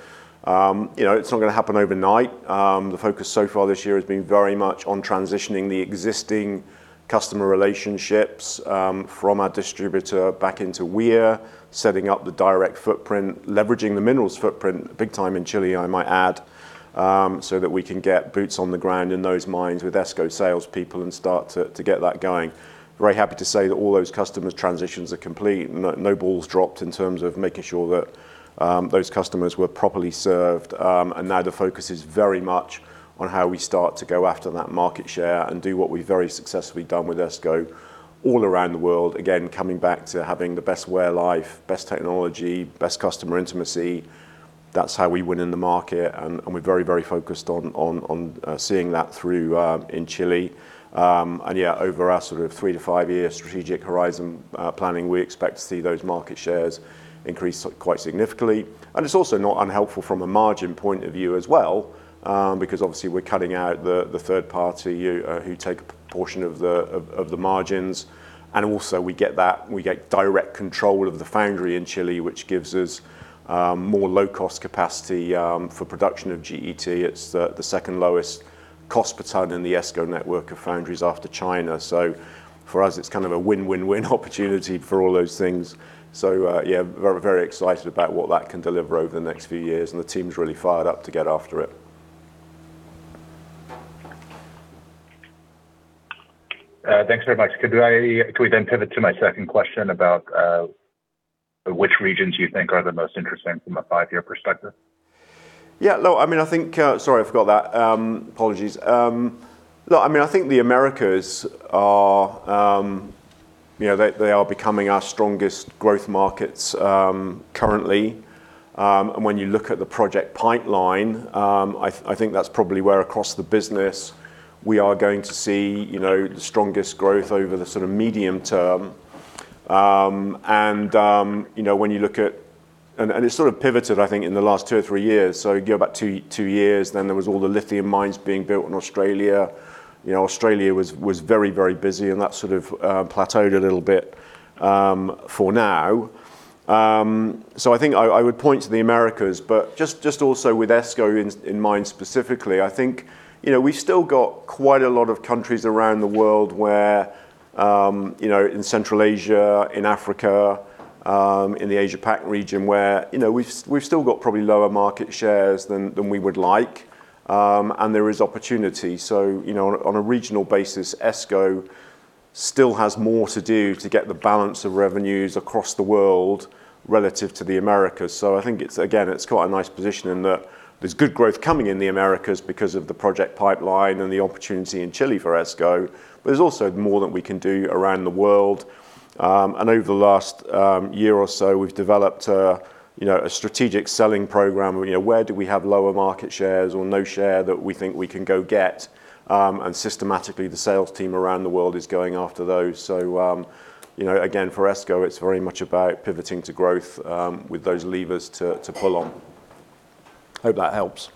It's not going to happen overnight. The focus so far this year has been very much on transitioning the existing customer relationships from our distributor back into Weir, setting up the direct footprint, leveraging the Minerals footprint big time in Chile, I might add, so that we can get boots on the ground in those mines with ESCO salespeople and start to get that going. Very happy to say that all those customer transitions are complete. No balls dropped in terms of making sure that those customers were properly served. Now the focus is very much on how we start to go after that market share and do what we've very successfully done with ESCO all around the world. Again, coming back to having the best wear life, best technology, best customer intimacy. That's how we win in the market, and we're very focused on seeing that through in Chile. Over our three to five-year strategic horizon planning, we expect to see those market shares increase quite significantly. It's also not unhelpful from a margin point of view as well because obviously we're cutting out the third party who take a portion of the margins. Also we get direct control of the foundry in Chile, which gives us more low-cost capacity for production of GET. It's the second lowest cost per ton in the ESCO network of foundries after China. For us, it's kind of a win-win opportunity for all those things. Very excited about what that can deliver over the next few years, and the team's really fired up to get after it. Thanks very much. Could we pivot to my second question about which regions you think are the most interesting from a five-year perspective? Yeah. Sorry, I forgot that. Apologies. I think the Americas are becoming our strongest growth markets currently. When you look at the project pipeline, I think that's probably where across the business we are going to see the strongest growth over the medium term. It sort of pivoted, I think, in the last two or three years. You go back two years, then there was all the lithium mines being built in Australia. Australia was very busy and that sort of plateaued a little bit for now. I think I would point to the Americas, but just also with ESCO in mind specifically, I think we still got quite a lot of countries around the world where in Central Asia, in Africa, in the Asia-Pac region, where we've still got probably lower market shares than we would like. There is opportunity. On a regional basis, ESCO still has more to do to get the balance of revenues across the world relative to the Americas. I think, again, it's quite a nice position in that there's good growth coming in the Americas because of the project pipeline and the opportunity in Chile for ESCO, but there's also more that we can do around the world. Over the last year or so, we've developed a strategic selling program. Where do we have lower market shares or no share that we think we can go get? Systematically, the sales team around the world is going after those. Again, for ESCO, it's very much about pivoting to growth with those levers to pull on. Hope that helps.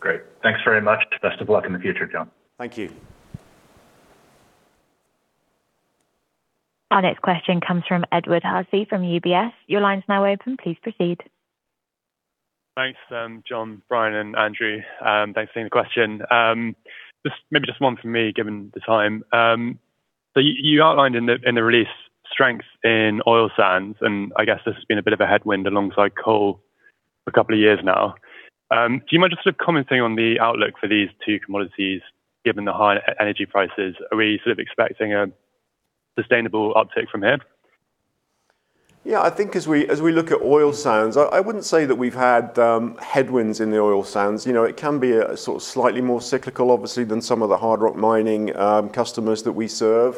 Great. Thanks very much. Best of luck in the future, Jon. Thank you. Our next question comes from Edward Hussey from UBS. Your line is now open. Please proceed. Thanks, Jon, Brian, and Andrew. Thanks for taking the question. Maybe just one from me, given the time. You outlined in the release strengths in oil sands, and I guess this has been a bit of a headwind alongside coal for a couple of years now. Do you mind just sort of commenting on the outlook for these two commodities given the high energy prices? Are we sort of expecting a sustainable uptick from here? I think as we look at oil sands, I wouldn't say that we've had headwinds in the oil sands. It can be a sort of slightly more cyclical, obviously, than some of the hard rock mining customers that we serve.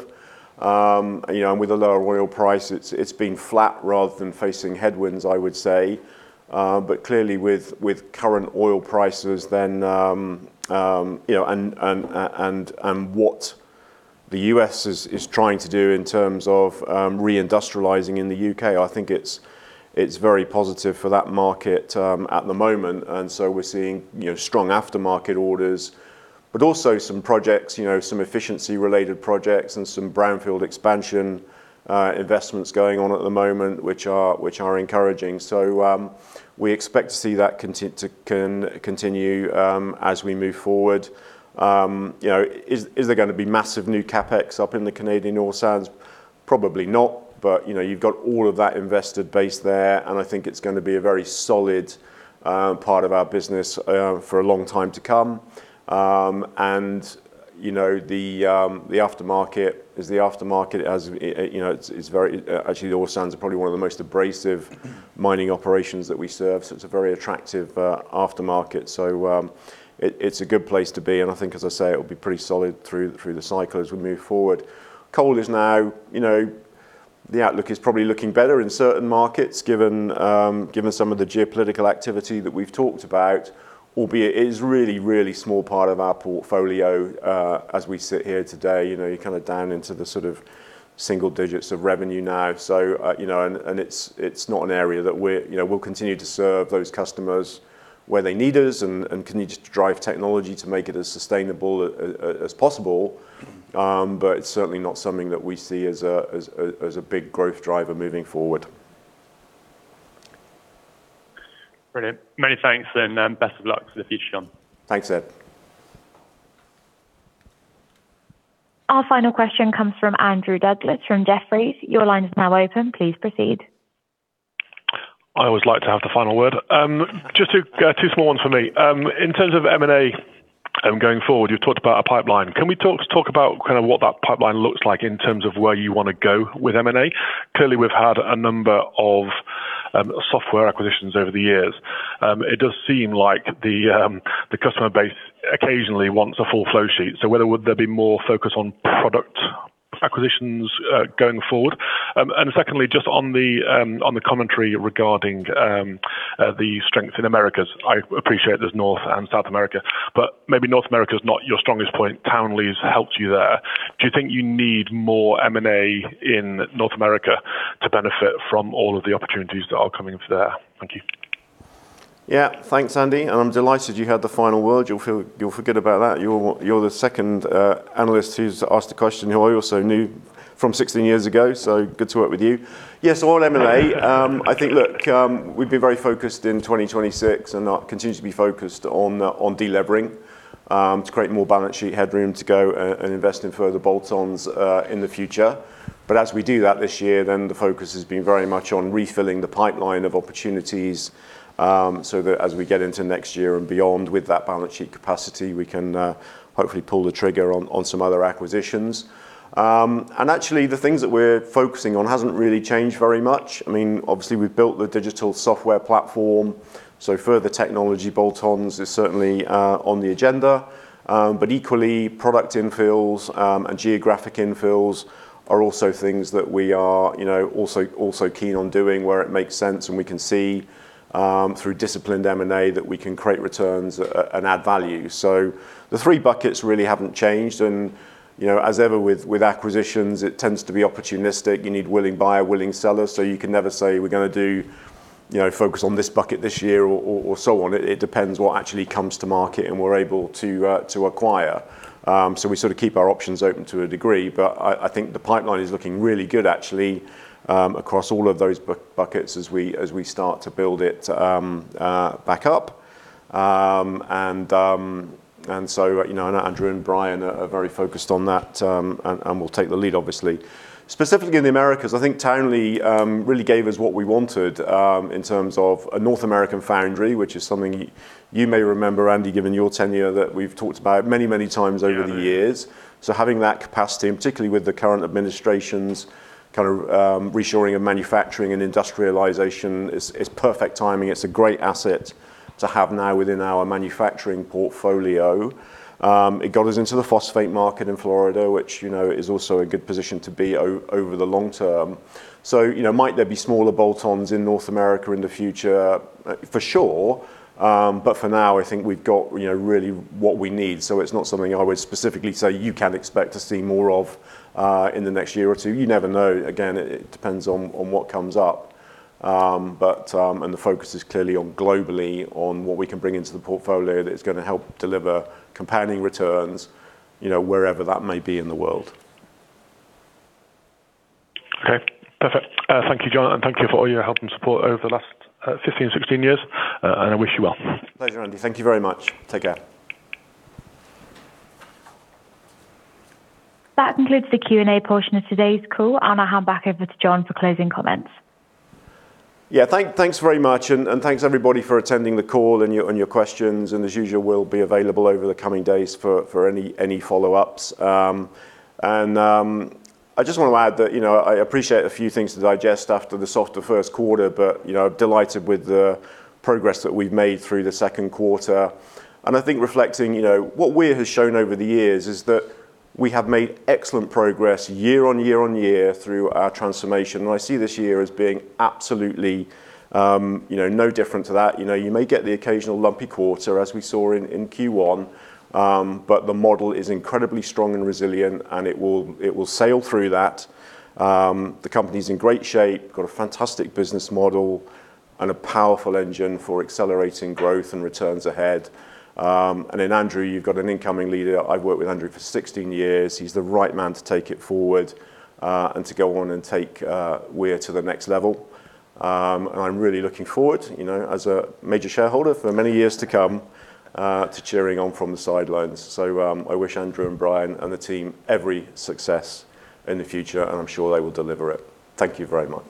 With a lower oil price, it's been flat rather than facing headwinds, I would say. But clearly with current oil prices and what the U.S. is trying to do in terms of re-industrializing in the U.K., I think it's very positive for that market at the moment. We're seeing strong aftermarket orders, but also some projects, some efficiency-related projects and some brownfield expansion investments going on at the moment, which are encouraging. We expect to see that continue as we move forward. Is there going to be massive new CapEx up in the Canadian oil sands? Probably not. You've got all of that invested base there, I think it's going to be a very solid part of our business for a long time to come. The aftermarket is the aftermarket. Actually, the oil sands are probably one of the most abrasive mining operations that we serve, so it's a very attractive aftermarket. It's a good place to be, I think, as I say, it will be pretty solid through the cycle as we move forward. Coal is now the outlook is probably looking better in certain markets given some of the geopolitical activity that we've talked about, albeit it is really small part of our portfolio as we sit here today. You're kind of down into the sort of single digits of revenue now. It's not an area that we'll continue to serve those customers where they need us and continue to drive technology to make it as sustainable as possible. It's certainly not something that we see as a big growth driver moving forward. Brilliant. Many thanks and best of luck for the future, Jon. Thanks, Edward. Our final question comes from Andrew Douglas from Jefferies. Your line is now open. Please proceed. I always like to have the final word. Just two small ones for me. In terms of M&A going forward, you talked about a pipeline. Can we talk about kind of what that pipeline looks like in terms of where you want to go with M&A? Clearly, we've had a number of software acquisitions over the years. It does seem like the customer base occasionally wants a full flow sheet. Would there be more focus on product acquisitions going forward. Secondly, just on the commentary regarding the strength in Americas. I appreciate there's North and South America, but maybe North America is not your strongest point. Townley's helped you there. Do you think you need more M&A in North America to benefit from all of the opportunities that are coming up there? Thank you. Yeah. Thanks, Andrew, and I'm delighted you had the final word. You'll forget about that. You're the second analyst who's asked a question, who I also knew from 16 years ago, good to work with you. Yes, on M&A, I think, look, we've been very focused in 2026 and continue to be focused on delevering to create more balance sheet headroom to go and invest in further bolt-ons in the future. As we do that this year, then the focus has been very much on refilling the pipeline of opportunities, that as we get into next year and beyond with that balance sheet capacity, we can hopefully pull the trigger on some other acquisitions. Actually, the things that we're focusing on hasn't really changed very much. Obviously, we've built the digital software platform, further technology bolt-ons is certainly on the agenda. Equally, product infills, and geographic infills are also things that we are also keen on doing, where it makes sense, and we can see, through disciplined M&A, that we can create returns and add value. The three buckets really haven't changed. As ever with acquisitions, it tends to be opportunistic. You need willing buyer, willing seller. You can never say we're going to focus on this bucket this year or so on. It depends what actually comes to market and we're able to acquire. We keep our options open to a degree, but I think the pipeline is looking really good, actually, across all of those buckets as we start to build it back up. Andrew and Brian are very focused on that and will take the lead, obviously. Specifically in the Americas, I think Townley really gave us what we wanted in terms of a North American foundry, which is something you may remember, Andrew, given your tenure, that we've talked about many, many times over the years. Yeah. Having that capacity, and particularly with the current administration's reshoring of manufacturing and industrialization, is perfect timing. It's a great asset to have now within our manufacturing portfolio. It got us into the phosphate market in Florida, which is also a good position to be over the long term. Might there be smaller bolt-ons in North America in the future? For sure. For now, I think we've got really what we need. It's not something I would specifically say you can expect to see more of in the next year or two. You never know. Again, it depends on what comes up. The focus is clearly on globally, on what we can bring into the portfolio that's going to help deliver compounding returns, wherever that may be in the world. Okay, perfect. Thank you, Jon, and thank you for all your help and support over the last 15, 16 years, and I wish you well. Pleasure, Andy. Thank you very much. Take care. That concludes the Q and A portion of today's call. I will now hand back over to Jon for closing comments. Yeah, thanks very much. Thanks everybody for attending the call and your questions. As usual, we will be available over the coming days for any follow-ups. I just want to add that I appreciate a few things to digest after the softer first quarter. Delighted with the progress that we have made through the second quarter. I think reflecting, what Weir has shown over the years is that we have made excellent progress year on year on year through our transformation. I see this year as being absolutely no different to that. You may get the occasional lumpy quarter, as we saw in Q1, but the model is incredibly strong and resilient. It will sail through that. The company is in great shape, got a fantastic business model, a powerful engine for accelerating growth and returns ahead. In Andrew, you have got an incoming leader. I have worked with Andrew for 16 years. He is the right man to take it forward, to go on and take Weir to the next level. I am really looking forward, as a major shareholder for many years to come, to cheering on from the sidelines. I wish Andrew and Brian and the team every success in the future. I am sure they will deliver it. Thank you very much.